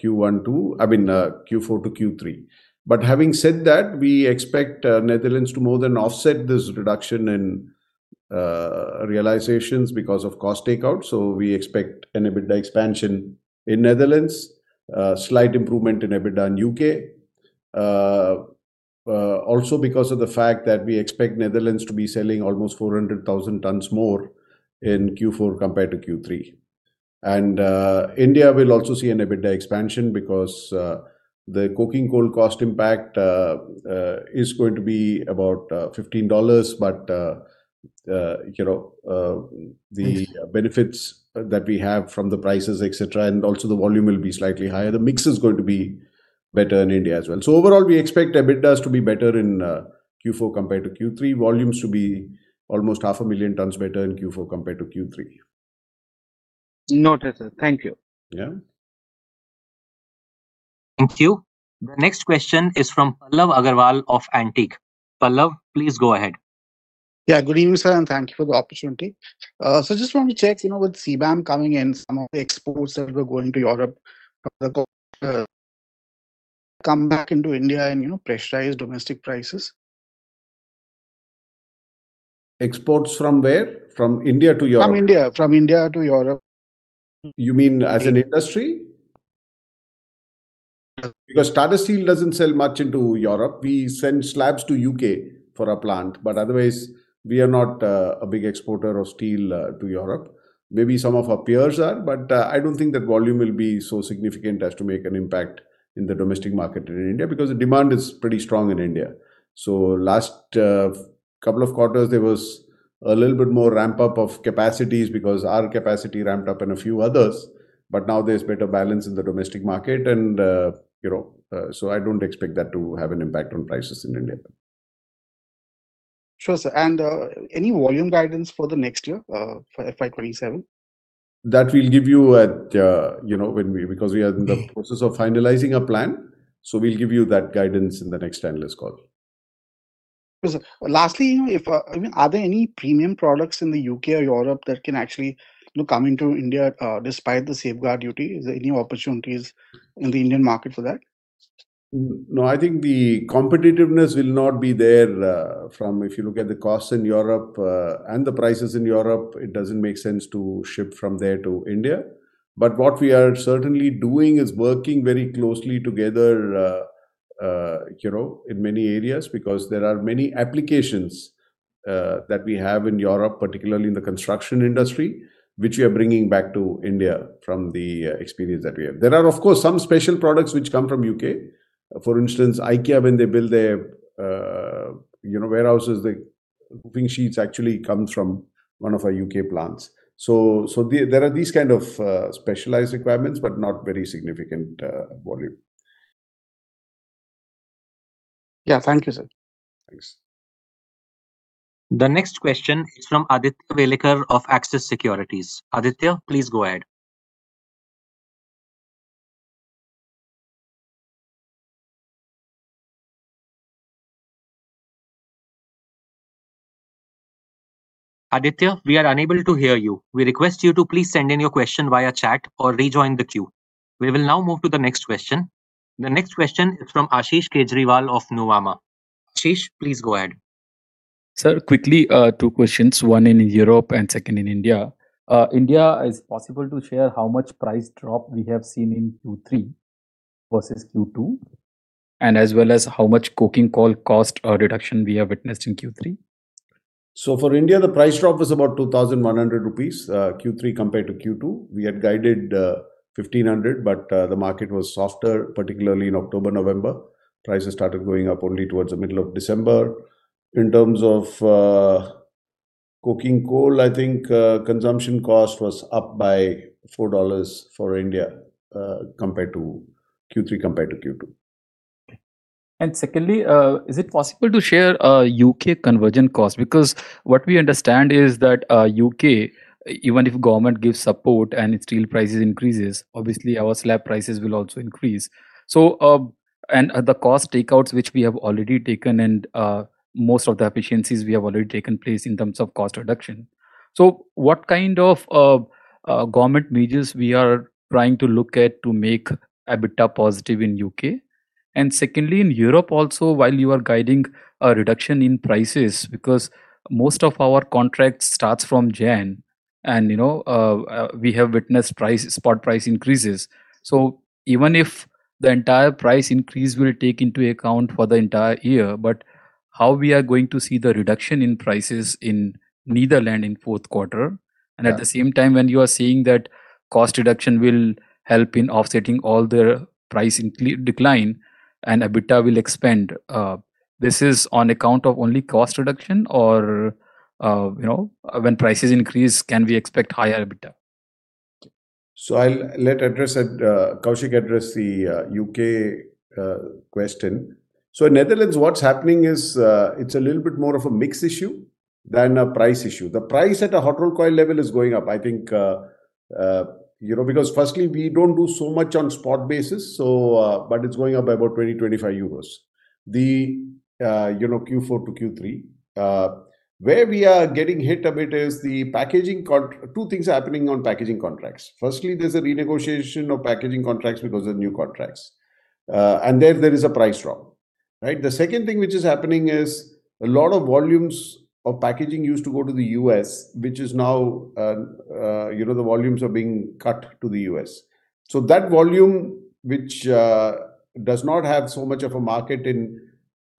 Q1 to, I mean, Q4 to Q3. But having said that, we expect the Netherlands to more than offset this reduction in realizations because of cost takeout. So, we expect an EBITDA expansion in the Netherlands, slight improvement in EBITDA in the UK, also because of the fact that we expect the Netherlands to be selling almost 400,000 tons more in Q4 compared to Q3. And India will also see an EBITDA expansion because the cooking coal cost impact is going to be about $15. But, you know, the benefits that we have from the prices, etc., and also the volume will be slightly higher. The mix is going to be better in India as well. So, overall, we expect EBITDA to be better in Q4 compared to Q3, volumes to be almost 500,000 tons better in Q4 compared to Q3.
Noted, sir. Thank you.
Yeah.
Thank you. The next question is from Pallav Agarwal of Antique. Pallav, please go ahead.
Yeah, good evening, sir, and thank you for the opportunity. I just want to check, you know, with CBAM coming in, some of the exports that were going to Europe have come back into India and, pressurized domestic prices.
Exports from where? From India to Europe?
From India. From India to Europe.
You mean as an industry?
Yes.
Because Tata Steel doesn't sell much into Europe. We send slabs to the UK for our plant. But otherwise, we are not a big exporter of steel to Europe. Maybe some of our peers are, but I don't think that volume will be so significant as to make an impact in the domestic market in India because the demand is pretty strong in India. So, last couple of quarters, there was a little bit more ramp-up of capacities because our capacity ramped up and a few others. But now there's better balance in the domestic market. And, you know, so I don't expect that to have an impact on prices in India.
Sure, sir. And any volume guidance for the next year, for FY 2027?
That we'll give you at, when we because we are in the process of finalizing our plan. So, we'll give you that guidance in the next analyst call.
Lastly, you know, if I mean, are there any premium products in the UK or Europe that can actually, you know, come into India despite the safeguard duty? Is there any opportunities in the Indian market for that?
No, I think the competitiveness will not be there from if you look at the costs in Europe and the prices in Europe. It doesn't make sense to ship from there to India. But what we are certainly doing is working very closely together, in many areas because there are many applications that we have in Europe, particularly in the construction industry, which we are bringing back to India from the experience that we have. There are, of course, some special products which come from the UK. For instance, IKEA, when they build their, you know, warehouses, the roofing sheets actually come from one of our UK plants. So, there are these kinds of specialized requirements, but not very significant volume.
Yeah, thank you, sir.
Thanks.
The next question is from Aditya Welekar of Axis Securities. Aditya, please go ahead. Aditya, we are unable to hear you. We request you to please send in your question via chat or rejoin the queue. We will now move to the next question. The next question is from Ashish Kejriwal of Nuvama. Ashish, please go ahead.
Sir, quickly, two questions, one in Europe and second in India. India, is it possible to share how much price drop we have seen in Q3 versus Q2, and as well as how much cooking coal cost reduction we have witnessed in Q3?
For India, the price drop was about ₹ 2,100 Q3 compared to Q2. We had guided ₹ 1,500, but the market was softer, particularly in October, November. Prices started going up only towards the middle of December. In terms of coking coal, I think consumption cost was up by $4 for India compared to Q3 compared to Q2.
And secondly, is it possible to share UK conversion cost? Because what we understand is that UK, even if government gives support and its steel prices increase, obviously, our slab prices will also increase. So, and the cost takeouts which we have already taken and most of the efficiencies we have already taken place in terms of cost reduction. So, what kind of government measures are we trying to look at to make EBITDA positive in the UK? And secondly, in Europe also, while you are guiding a reduction in prices because most of our contracts start from January and, you know, we have witnessed spot price increases. So, even if the entire price increase will take into account for the entire year, but how we are going to see the reduction in prices in the Netherlands in the fourth quarter? At the same time, when you are saying that cost reduction will help in offsetting all the price decline and EBITDA will expand, this is on account of only cost reduction or, you know, when prices increase, can we expect higher EBITDA?
So, I'll let Koushik address the UK question. So, in the Netherlands, what's happening is it's a little bit more of a mix issue than a price issue. The price at a hot-rolled coil level is going up, I think, you know, because firstly, we don't do so much on a spot basis. So, but it's going up by about € 20-€ 25. The, Q4 to Q3, where we are getting hit a bit is the packaging. Two things are happening on packaging contracts. Firstly, there's a renegotiation of packaging contracts because of new contracts. And there, there is a price drop, right? The second thing which is happening is a lot of volumes of packaging used to go to the U.S., which is now, you know, the volumes are being cut to the U.S. So, that volume which does not have so much of a market in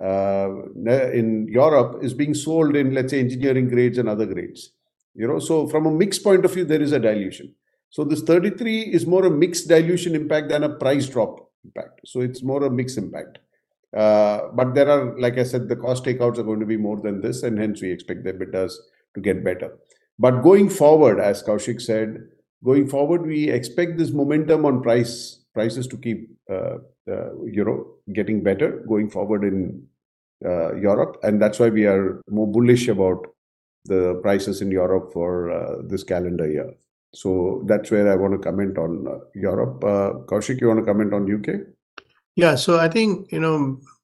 Europe is being sold in, let's say, engineering grades and other grades, you know? So, from a mix point of view, there is a dilution. So, this 2023 is more a mix dilution impact than a price drop impact. So, it's more a mix impact. But there are, like I said, the cost takeouts are going to be more than this, and hence, we expect the EBITDA to get better. But going forward, as Koushik said, going forward, we expect this momentum on prices to keep, you know, getting better going forward in Europe. And that's why we are more bullish about the prices in Europe for this calendar year. So, that's where I want to comment on Europe. Koushik, you want to comment on the UK?
Yeah, so I think,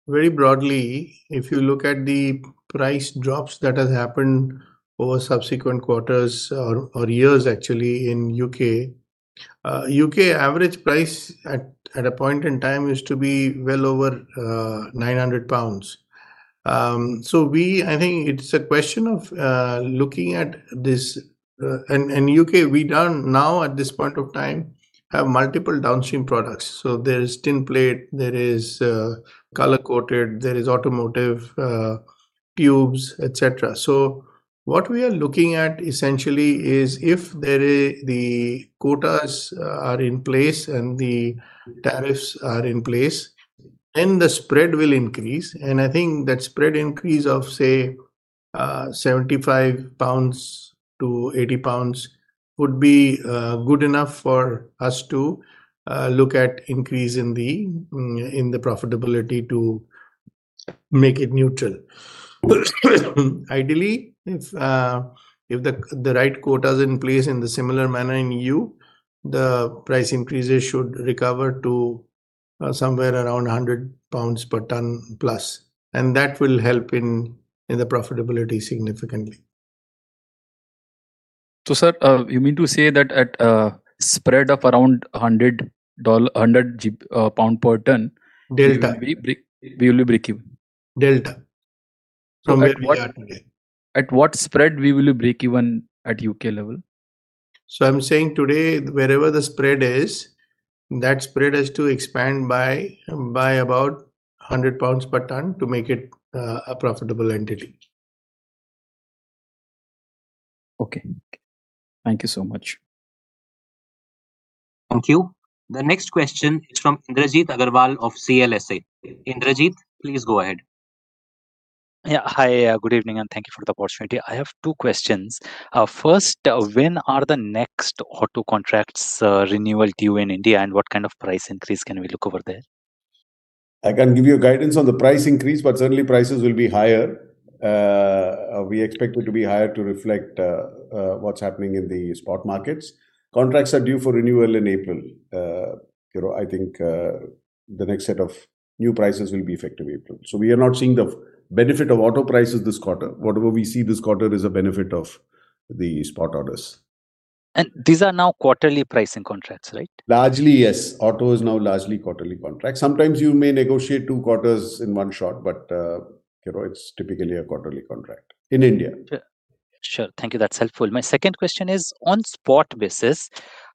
very broadly, if you look at the price drops that have happened over subsequent quarters or years, actually, in the UK, the UK average price at a point in time used to be well over £ 900. So, we, I think it's a question of looking at this in the UK, we now at this point of time have multiple downstream products. So, there is tin plate, there is color-coated, there is automotive tubes, etc. So, what we are looking at essentially is if the quotas are in place and the tariffs are in place, then the spread will increase. And I think that spread increase of, say, £ 75-£ 80 would be good enough for us to look at an increase in the profitability to make it neutral. Ideally, if the right quota is in place in a similar manner in the EU, the price increases should recover to somewhere around £ 100 per ton plus. And that will help in the profitability significantly.
Sir, you mean to say that at a spread of around $100 per ton?
Delta.
We will be breakeven?
Delta.
At what spread will we breakeven at the UK level?
I'm saying today, wherever the spread is, that spread has to expand by about £ 100 per ton to make it a profitable entity.
Okay. Thank you so much.
Thank you. The next question is from Indrajit Agarwal of CLSA. Indrajit, please go ahead.
Hi, good evening, and thank you for the opportunity. I have two questions. First, when are the next hot rolled contracts renewal due in India, and what kind of price increase can we look for there?
I can give you guidance on the price increase, but certainly, prices will be higher. We expect it to be higher to reflect what's happening in the spot markets. Contracts are due for renewal in April. You know, I think the next set of new prices will be effective in April. So, we are not seeing the benefit of auto prices this quarter. Whatever we see this quarter is a benefit of the spot orders.
These are now quarterly pricing contracts, right?
Largely, yes. Auto is now largely quarterly contracts. Sometimes, you may negotiate two quarters in one shot, but, you know, it's typically a quarterly contract in India.
Sure. Thank you. That's helpful. My second question is, on a spot basis,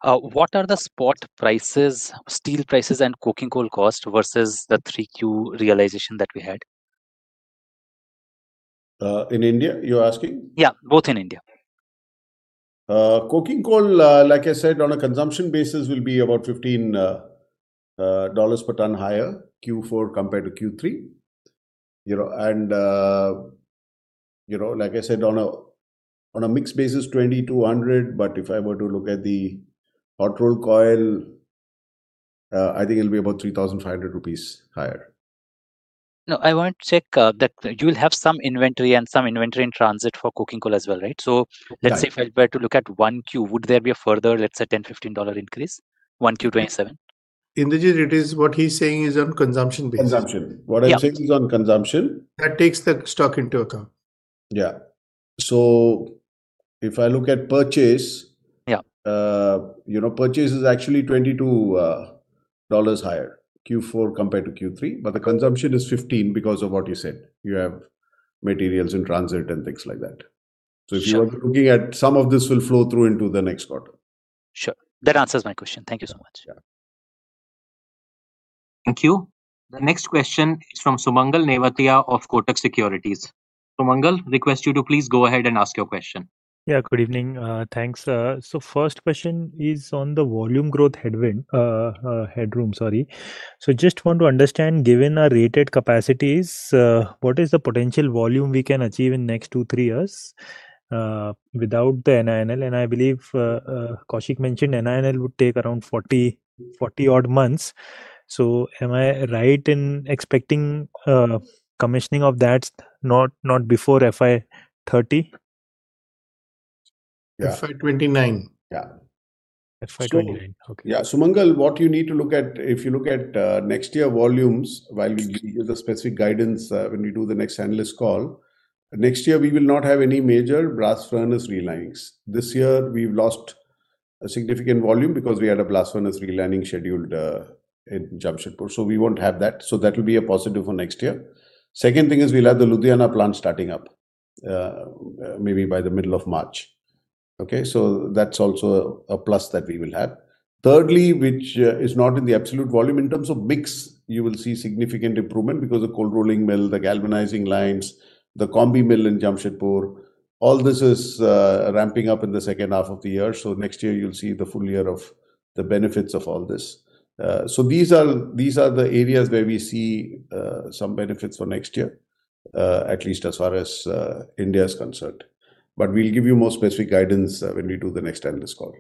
what are the spot prices, steel prices, and cooking coal costs versus the 3Q realization that we had?
In India, you're asking?
Yeah, both in India.
Cooking coal, like I said, on a consumption basis, will be about $15 per ton higher in Q4 compared to Q3. You know, and, you know, like I said, on a mixed basis, $20-$100. But if I were to look at the hot-rolled coil, I think it'll be about ₹3,500 higher.
No, I want to check that you will have some inventory and some inventory in transit for coking coal as well, right? So, let's say if I were to look at 1Q, would there be a further, let's say, $10-$15 increase? 1Q 2027?
Indrajit, what he's saying is on consumption basis.
Consumption. What I'm saying is on consumption, that takes the stock into account.
Yeah.
So, if I look at purchase, you know, purchase is actually $22 higher Q4 compared to Q3, but the consumption is 15 because of what you said. You have materials in transit and things like that. So, if you are looking at some of this will flow through into the next quarter.
Sure. That answers my question. Thank you so much.
Yeah.
Thank you. The next question is from Sumangal Nevatia of Kotak Securities. Sumangal, I request you to please go ahead and ask your question.
Yeah, good evening. Thanks. So, the first question is on the volume growth headroom, sorry. So, I just want to understand, given our rated capacities, what is the potential volume we can achieve in the next 2-3 years without the NINL? And I believe Koushik mentioned NINL would take around 40-odd months. So, am I right in expecting commissioning of that not before FY30?
Yeah.
FY 2029.
Yeah.
FY2029. Okay.
Yeah. Sumangal, what you need to look at, if you look at next year's volumes, while we give you the specific guidance when we do the next analyst call, next year, we will not have any major blast furnace relinings. This year, we've lost significant volume because we had a blast furnace relining scheduled in Jamshedpur. So, we won't have that. So, that will be a positive for next year. The second thing is we'll have the Ludhiana plant starting up maybe by the middle of March. Okay? So, that's also a plus that we will have. Thirdly, which is not in the absolute volume, in terms of mix, you will see significant improvement because of the cold rolling mill, the galvanizing lines, the combi mill in Jamshedpur. All this is ramping up in the second half of the year. So, next year, you'll see the full year of the benefits of all this. So, these are the areas where we see some benefits for next year, at least as far as India is concerned. But we'll give you more specific guidance when we do the next analyst call.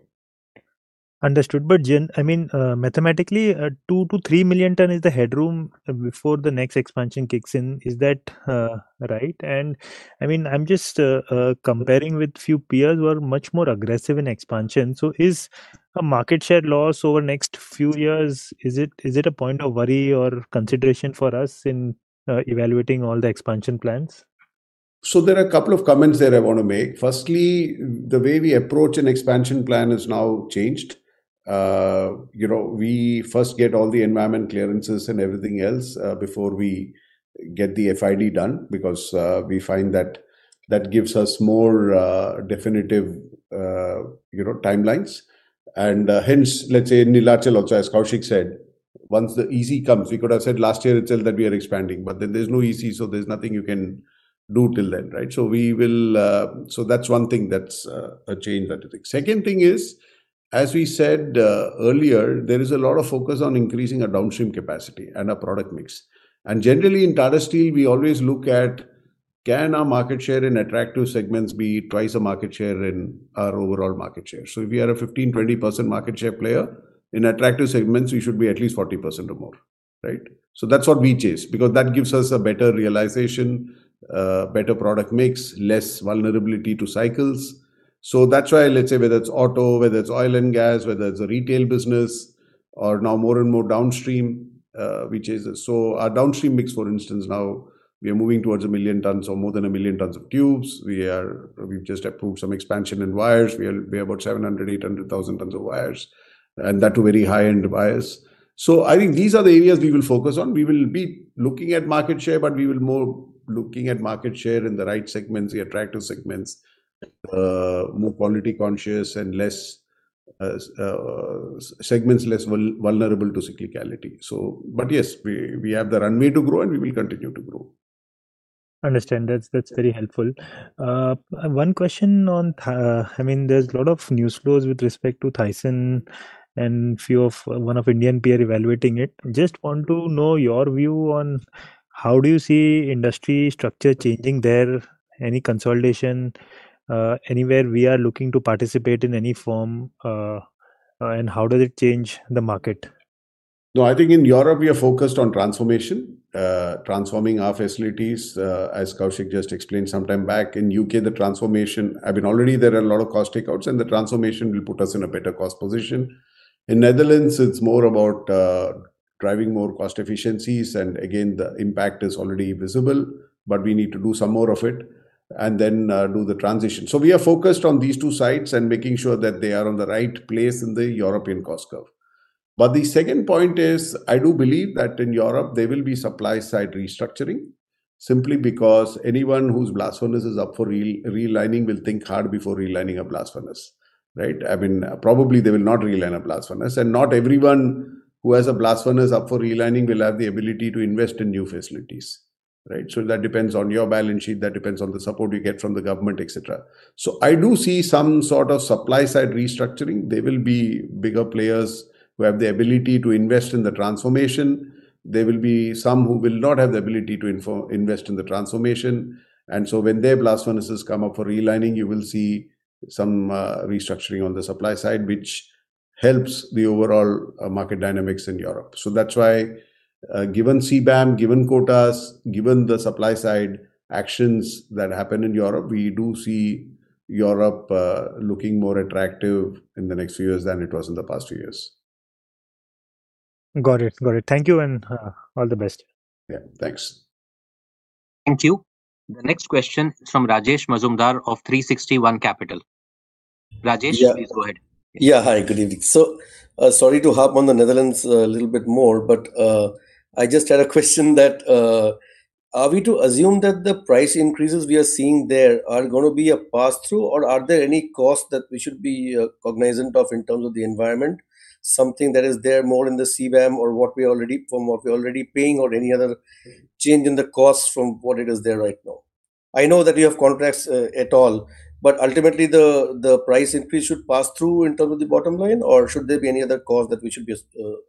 Understood. But Jin, I mean, mathematically, 2-3 million ton is the headroom before the next expansion kicks in. Is that right? And I mean, I'm just comparing with a few peers who are much more aggressive in expansion. So, is a market share loss over the next few years, is it a point of worry or consideration for us in evaluating all the expansion plans?
So, there are a couple of comments there I want to make. Firstly, the way we approach an expansion plan has now changed. You know, we first get all the environment clearances and everything else before we get the FID done because we find that that gives us more definitive, you know, timelines. And hence, let's say, in Neelachal also, as Koushik said, once the EC comes, we could have said last year itself that we are expanding, but then there's no EC, so there's nothing you can do till then, right? So, that's one thing that's a change that we think. The second thing is, as we said earlier, there is a lot of focus on increasing our downstream capacity and our product mix. Generally, in Tata Steel, we always look at, can our market share in attractive segments be twice our market share in our overall market share? So, if we are a 15%-20% market share player in attractive segments, we should be at least 40% or more, right? So, that's what we chase because that gives us a better realization, better product mix, less vulnerability to cycles. So, that's why, let's say, whether it's auto, whether it's oil and gas, whether it's a retail business, or now more and more downstream, we chase it. So, our downstream mix, for instance, now we are moving towards 1 million tons or more than 1 million tons of tubes. We've just approved some expansion in wires. We have about 700,000-800,000 tons of wires, and that, too, very high-end wires. I think these are the areas we will focus on. We will be looking at market share, but we will be more looking at market share in the right segments, the attractive segments, more quality-conscious, and segments less vulnerable to cyclicality. But yes, we have the runway to grow, and we will continue to grow.
Understood. That's very helpful. One question on, I mean, there's a lot of news flows with respect to Tyson and a few of one of the Indian peers evaluating it. I just want to know your view on how do you see the industry structure changing there? Any consolidation anywhere we are looking to participate in any form, and how does it change the market?
No, I think in Europe, we are focused on transformation, transforming our facilities, as Koushik just explained some time back. In the UK, the transformation, I mean, already there are a lot of cost takeouts, and the transformation will put us in a better cost position. In the Netherlands, it's more about driving more cost efficiencies. And again, the impact is already visible, but we need to do some more of it and then do the transition. So, we are focused on these two sides and making sure that they are on the right place in the European cost curve. But the second point is, I do believe that in Europe, there will be supply-side restructuring simply because anyone whose blast furnace is up for relining will think hard before relining a blast furnace, right? I mean, probably they will not reline a blast furnace, and not everyone who has a blast furnace up for relining will have the capacity to invest in new facilities, right? So, that depends on your balance sheet. That depends on the support you get from the government, etc. So, I do see some sort of supply-side restructuring. There will be bigger players who have the ability to invest in the transformation. There will be some who will not have the ability to invest in the transformation. And so, when their blast furnaces come up for relining, you will see some restructuring on the supply side, which helps the overall market dynamics in Europe. So, that's why, given CBAM, given quotas, given the supply-side actions that happen in Europe, we do see Europe looking more attractive in the next few years than it was in the past few years.
Got it. Got it. Thank you, and all the best.
Yeah, thanks.
Thank you. The next question is from Rajesh Majumdar of 360 ONE Capital. Rajesh, please go ahead.
Yeah, hi, good evening. So, sorry to harp on the Netherlands a little bit more, but I just had a question that are we to assume that the price increases we are seeing there are going to be a pass-through, or are there any costs that we should be cognizant of in terms of the environment, something that is there more in the CBAM or from what we are already paying, or any other change in the costs from what it is there right now? I know that you have contracts at all, but ultimately, the price increase should pass through in terms of the bottom line, or should there be any other costs that we should be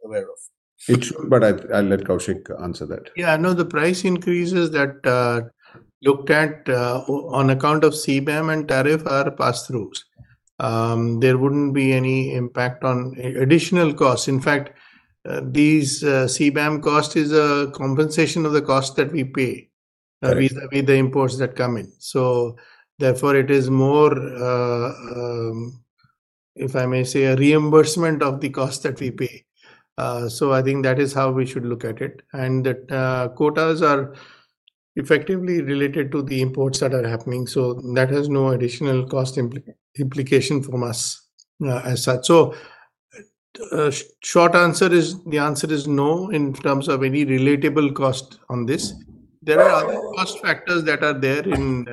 aware of?
But I'll let Koushik answer that.
Yeah, no, the price increases that are looked at on account of CBAM and tariff are pass-throughs. There wouldn't be any impact on additional costs. In fact, this CBAM cost is a compensation of the costs that we pay with the imports that come in. So, therefore, it is more, if I may say, a reimbursement of the costs that we pay. So, I think that is how we should look at it. And quotas are effectively related to the imports that are happening. So, that has no additional cost implication for us as such. So, the short answer is no, in terms of any relatable cost on this. There are other cost factors that are there in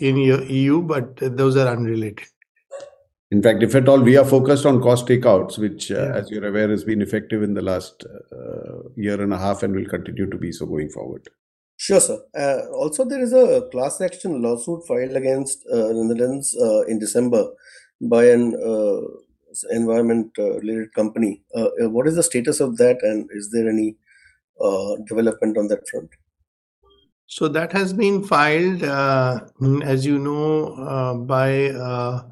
the EU, but those are unrelated.
In fact, if at all, we are focused on cost takeouts, which, as you're aware, has been effective in the last year and a half and will continue to be so going forward.
Sure, sir. Also, there is a class action lawsuit filed against the Netherlands in December by an environment-related company. What is the status of that, and is there any development on that front?
So, that has been filed, as you know, by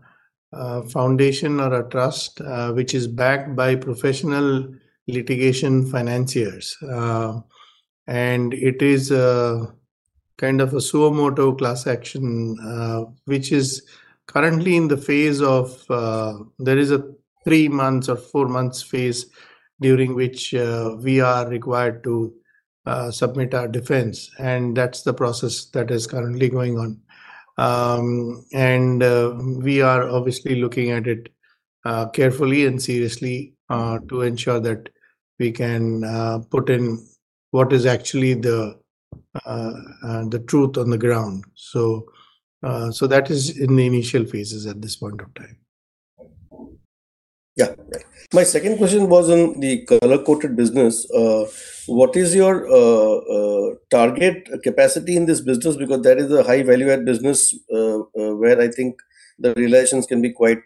a foundation or a trust, which is backed by professional litigation financiers. And it is kind of a suo motu class action, which is currently in the phase of there is a 3-month or 4-month phase during which we are required to submit our defense. And that's the process that is currently going on. And we are obviously looking at it carefully and seriously to ensure that we can put in what is actually the truth on the ground. So, that is in the initial phases at this point of time.
Yeah, right. My second question was on the color-coated business. What is your target capacity in this business? Because that is a high-value-add business where I think the relations can be quite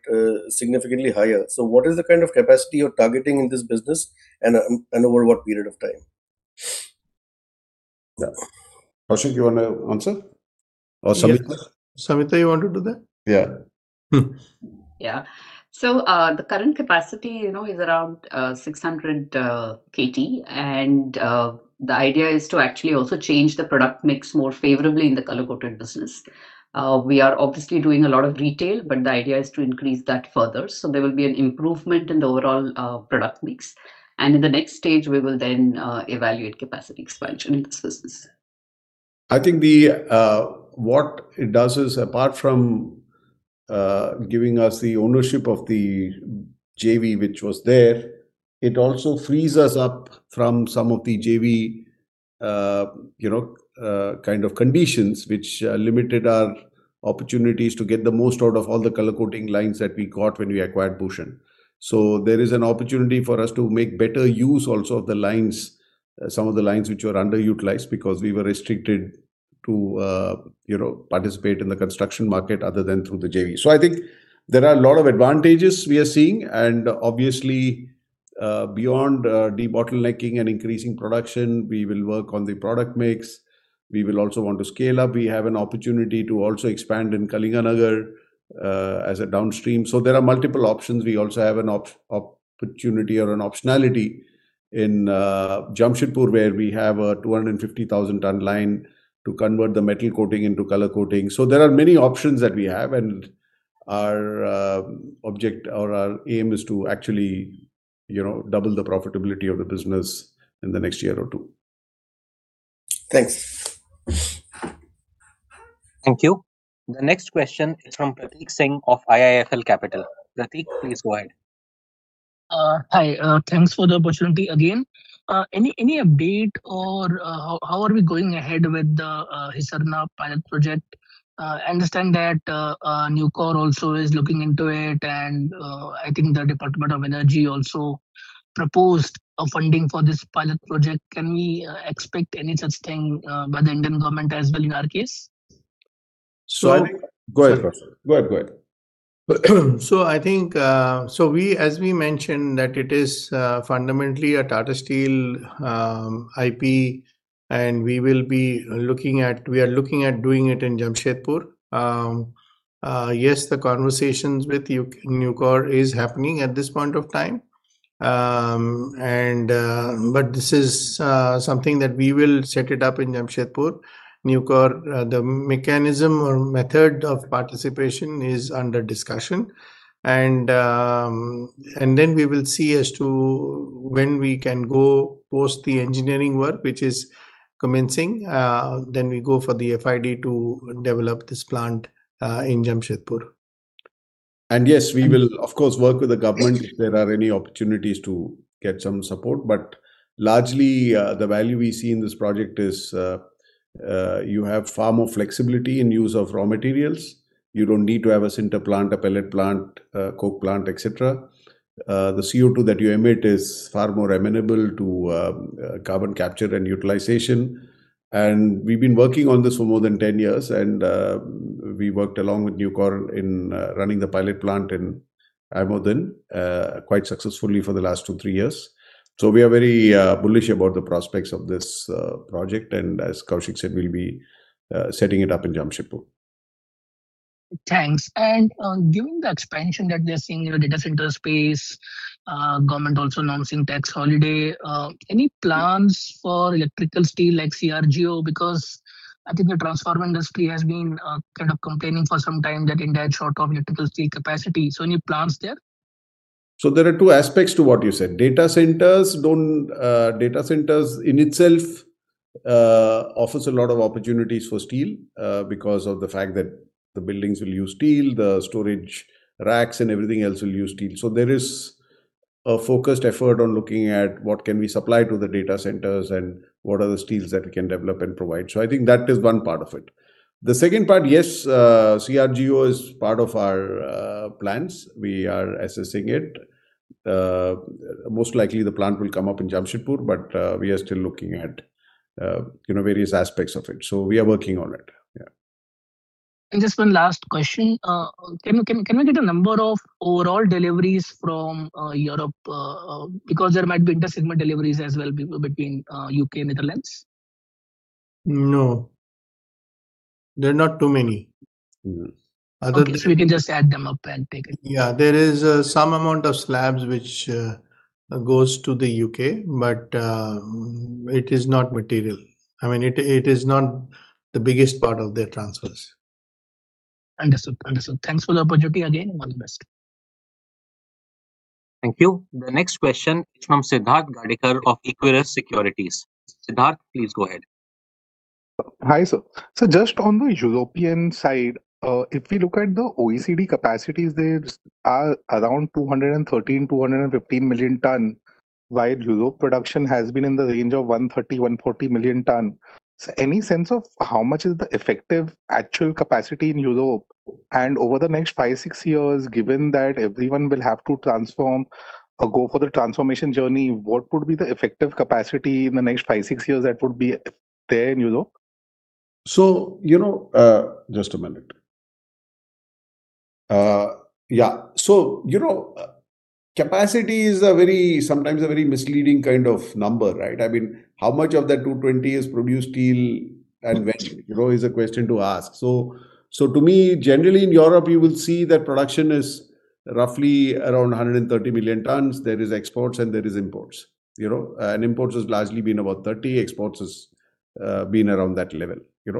significantly higher. So, what is the kind of capacity you're targeting in this business and over what period of time?
Koushik, do you want to answer or submit?
Samita, you want to do that?
Yeah.
Yeah. So, the current capacity is around 600 KT. And the idea is to actually also change the product mix more favorably in the color-coated business. We are obviously doing a lot of retail, but the idea is to increase that further. So, there will be an improvement in the overall product mix. And in the next stage, we will then evaluate capacity expansion in this business.
I think what it does is, apart from giving us the ownership of the JV, which was there, it also frees us up from some of the JV kind of conditions, which limited our opportunities to get the most out of all the color-coating lines that we got when we acquired Bhushan. So, there is an opportunity for us to make better use also of the lines, some of the lines which were underutilized because we were restricted to participate in the construction market other than through the JV. So, I think there are a lot of advantages we are seeing. And obviously, beyond debottlenecking and increasing production, we will work on the product mix. We will also want to scale up. We have an opportunity to also expand in Kalinganagar as a downstream. So, there are multiple options. We also have an opportunity or an optionality in Jamshedpur, where we have a 250,000-ton line to convert the metal coating into color coating. So, there are many options that we have. Our objective or our aim is to actually double the profitability of the business in the next year or two.
Thanks.
Thank you. The next question is from Prateek Singh of IIFL Capital. Prateek, please go ahead.
Hi. Thanks for the opportunity again. Any update or how are we going ahead with the Hisarna pilot project? I understand that Nucor also is looking into it, and I think the Department of Energy also proposed funding for this pilot project. Can we expect any such thing by the Indian government as well in our case?
So, go ahead, Koushik. Go ahead, go ahead.
So, as we mentioned, that it is fundamentally a Tata Steel IP, and we are looking at doing it in Jamshedpur. Yes, the conversations with Nucor are happening at this point of time. But this is something that we will set it up in Jamshedpur. Nucor, the mechanism or method of participation is under discussion. And then we will see as to when we can go post the engineering work, which is commencing. Then we go for the FID to develop this plant in Jamshedpur.
Yes, we will, of course, work with the government if there are any opportunities to get some support. But largely, the value we see in this project is you have far more flexibility in use of raw materials. You don't need to have a center plant, a pellet plant, a coke plant, etc. The CO2 that you emit is far more amenable to carbon capture and utilization. And we've been working on this for more than 10 years. And we worked along with Nucor in running the pilot plant in IJmuiden quite successfully for the last 2, 3 years. So, we are very bullish about the prospects of this project. And as Koushik said, we'll be setting it up in Jamshedpur.
Thanks. Given the expansion that we are seeing in the data center space, the government also announcing tax holiday, any plans for electrical steel like CRGO? Because I think the transformer industry has been kind of complaining for some time that India is short of electrical steel capacity. Any plans there?
So, there are two aspects to what you said. Data centers in itself offer a lot of opportunities for steel because of the fact that the buildings will use steel, the storage racks, and everything else will use steel. So, there is a focused effort on looking at what can we supply to the data centers and what are the steels that we can develop and provide. So, I think that is one part of it. The second part, yes, CRGO is part of our plans. We are assessing it. Most likely, the plant will come up in Jamshedpur, but we are still looking at various aspects of it. So, we are working on it. Yeah.
And just one last question. Can we get a number of overall deliveries from Europe? Because there might be intersegment deliveries as well between the UK and the Netherlands.
No, there are not too many.
Okay, so we can just add them up and take it.
Yeah, there is some amount of slabs which go to the UK, but it is not material. I mean, it is not the biggest part of their transfers.
Understood. Understood. Thanks for the opportunity again. All the best.
Thank you. The next question is from Siddharth Gadekar of Equirus Securities. Siddharth, please go ahead.
Hi, sir. So, just on the European side, if we look at the OECD capacities, there are around 213-215 million tons, while Europe's production has been in the range of 130-140 million tons. So, any sense of how much is the effective actual capacity in Europe? And over the next 5-6 years, given that everyone will have to transform or go for the transformation journey, what would be the effective capacity in the next 5-6 years that would be there in Europe?
So, just a minute. Yeah, so capacity is sometimes a very misleading kind of number, right? I mean, how much of that 220 is produced steel and when is a question to ask. So, to me, generally in Europe, you will see that production is roughly around 130 million tons. There are exports, and there are imports. Imports have largely been about 30. Exports have been around that level.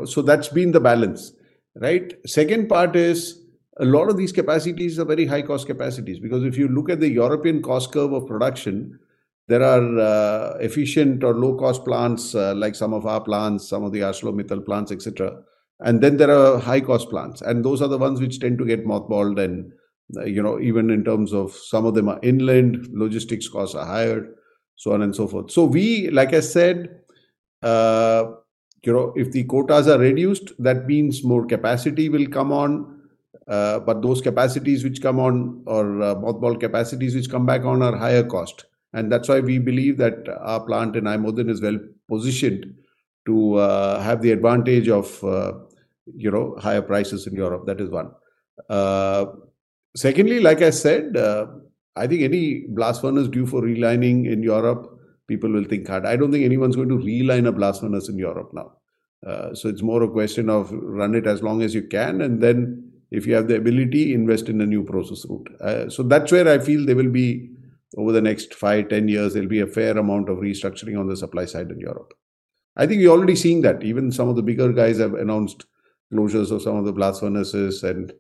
So, that's been the balance, right? The second part is a lot of these capacities are very high-cost capacities. Because if you look at the European cost curve of production, there are efficient or low-cost plants like some of our plants, some of the ArcelorMittal plants, etc. And then there are high-cost plants. And those are the ones which tend to get mothballed. And even in terms of some of them are inland, logistics costs are higher, so on and so forth. So, like I said, if the quotas are reduced, that means more capacity will come on. But those capacities which come on or mothballed capacities which come back on are higher cost. And that's why we believe that our plant in IJmuiden is well positioned to have the advantage of higher prices in Europe. That is one. Secondly, like I said, I think any blast furnace due for relining in Europe, people will think hard. I don't think anyone's going to reline a blast furnace in Europe now. So, it's more a question of running it as long as you can. And then if you have the ability, invest in a new process route. So, that's where I feel there will be over the next 5, 10 years, there'll be a fair amount of restructuring on the supply side in Europe. I think we're already seeing that. Even some of the bigger guys have announced closures of some of the blast furnaces and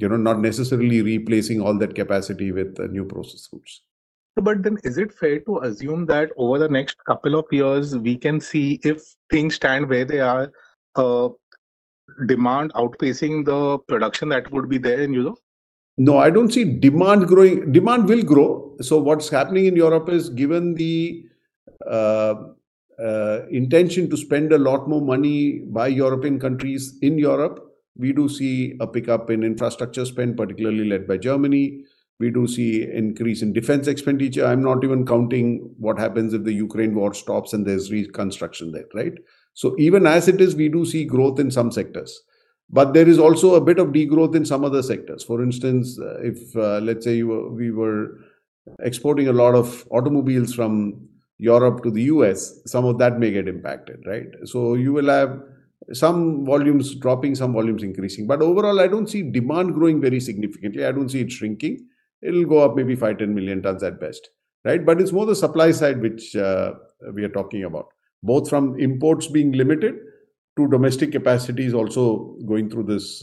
not necessarily replacing all that capacity with new process routes.
But then is it fair to assume that over the next couple of years, we can see if things stand where they are, demand outpacing the production that would be there in Europe?
No, I don't see demand growing. Demand will grow. So, what's happening in Europe is, given the intention to spend a lot more money by European countries in Europe, we do see a pickup in infrastructure spend, particularly led by Germany. We do see an increase in defense expenditure. I'm not even counting what happens if the Ukraine war stops and there's reconstruction there, right? So, even as it is, we do see growth in some sectors. But there is also a bit of degrowth in some other sectors. For instance, let's say we were exporting a lot of automobiles from Europe to the U.S., some of that may get impacted, right? You will have some volumes dropping, some volumes increasing. But overall, I don't see demand growing very significantly. I don't see it shrinking. It'll go up maybe 5-10 million tons at best, right? But it's more the supply side which we are talking about, both from imports being limited to domestic capacities also going through this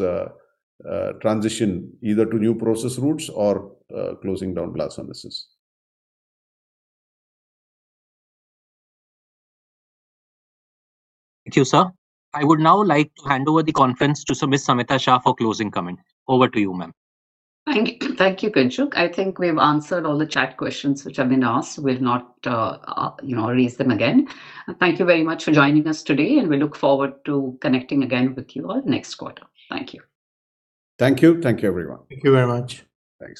transition either to new process routes or closing down blast furnaces.
Thank you, sir. I would now like to hand over the conference to Ms. Samita Shah for closing comments. Over to you, ma'am.
Thank you, Koushik. I think we've answered all the chat questions which have been asked. We'll not raise them again. Thank you very much for joining us today. We look forward to connecting again with you all next quarter. Thank you.
Thank you. Thank you, everyone.
Thank you very much.
Thanks.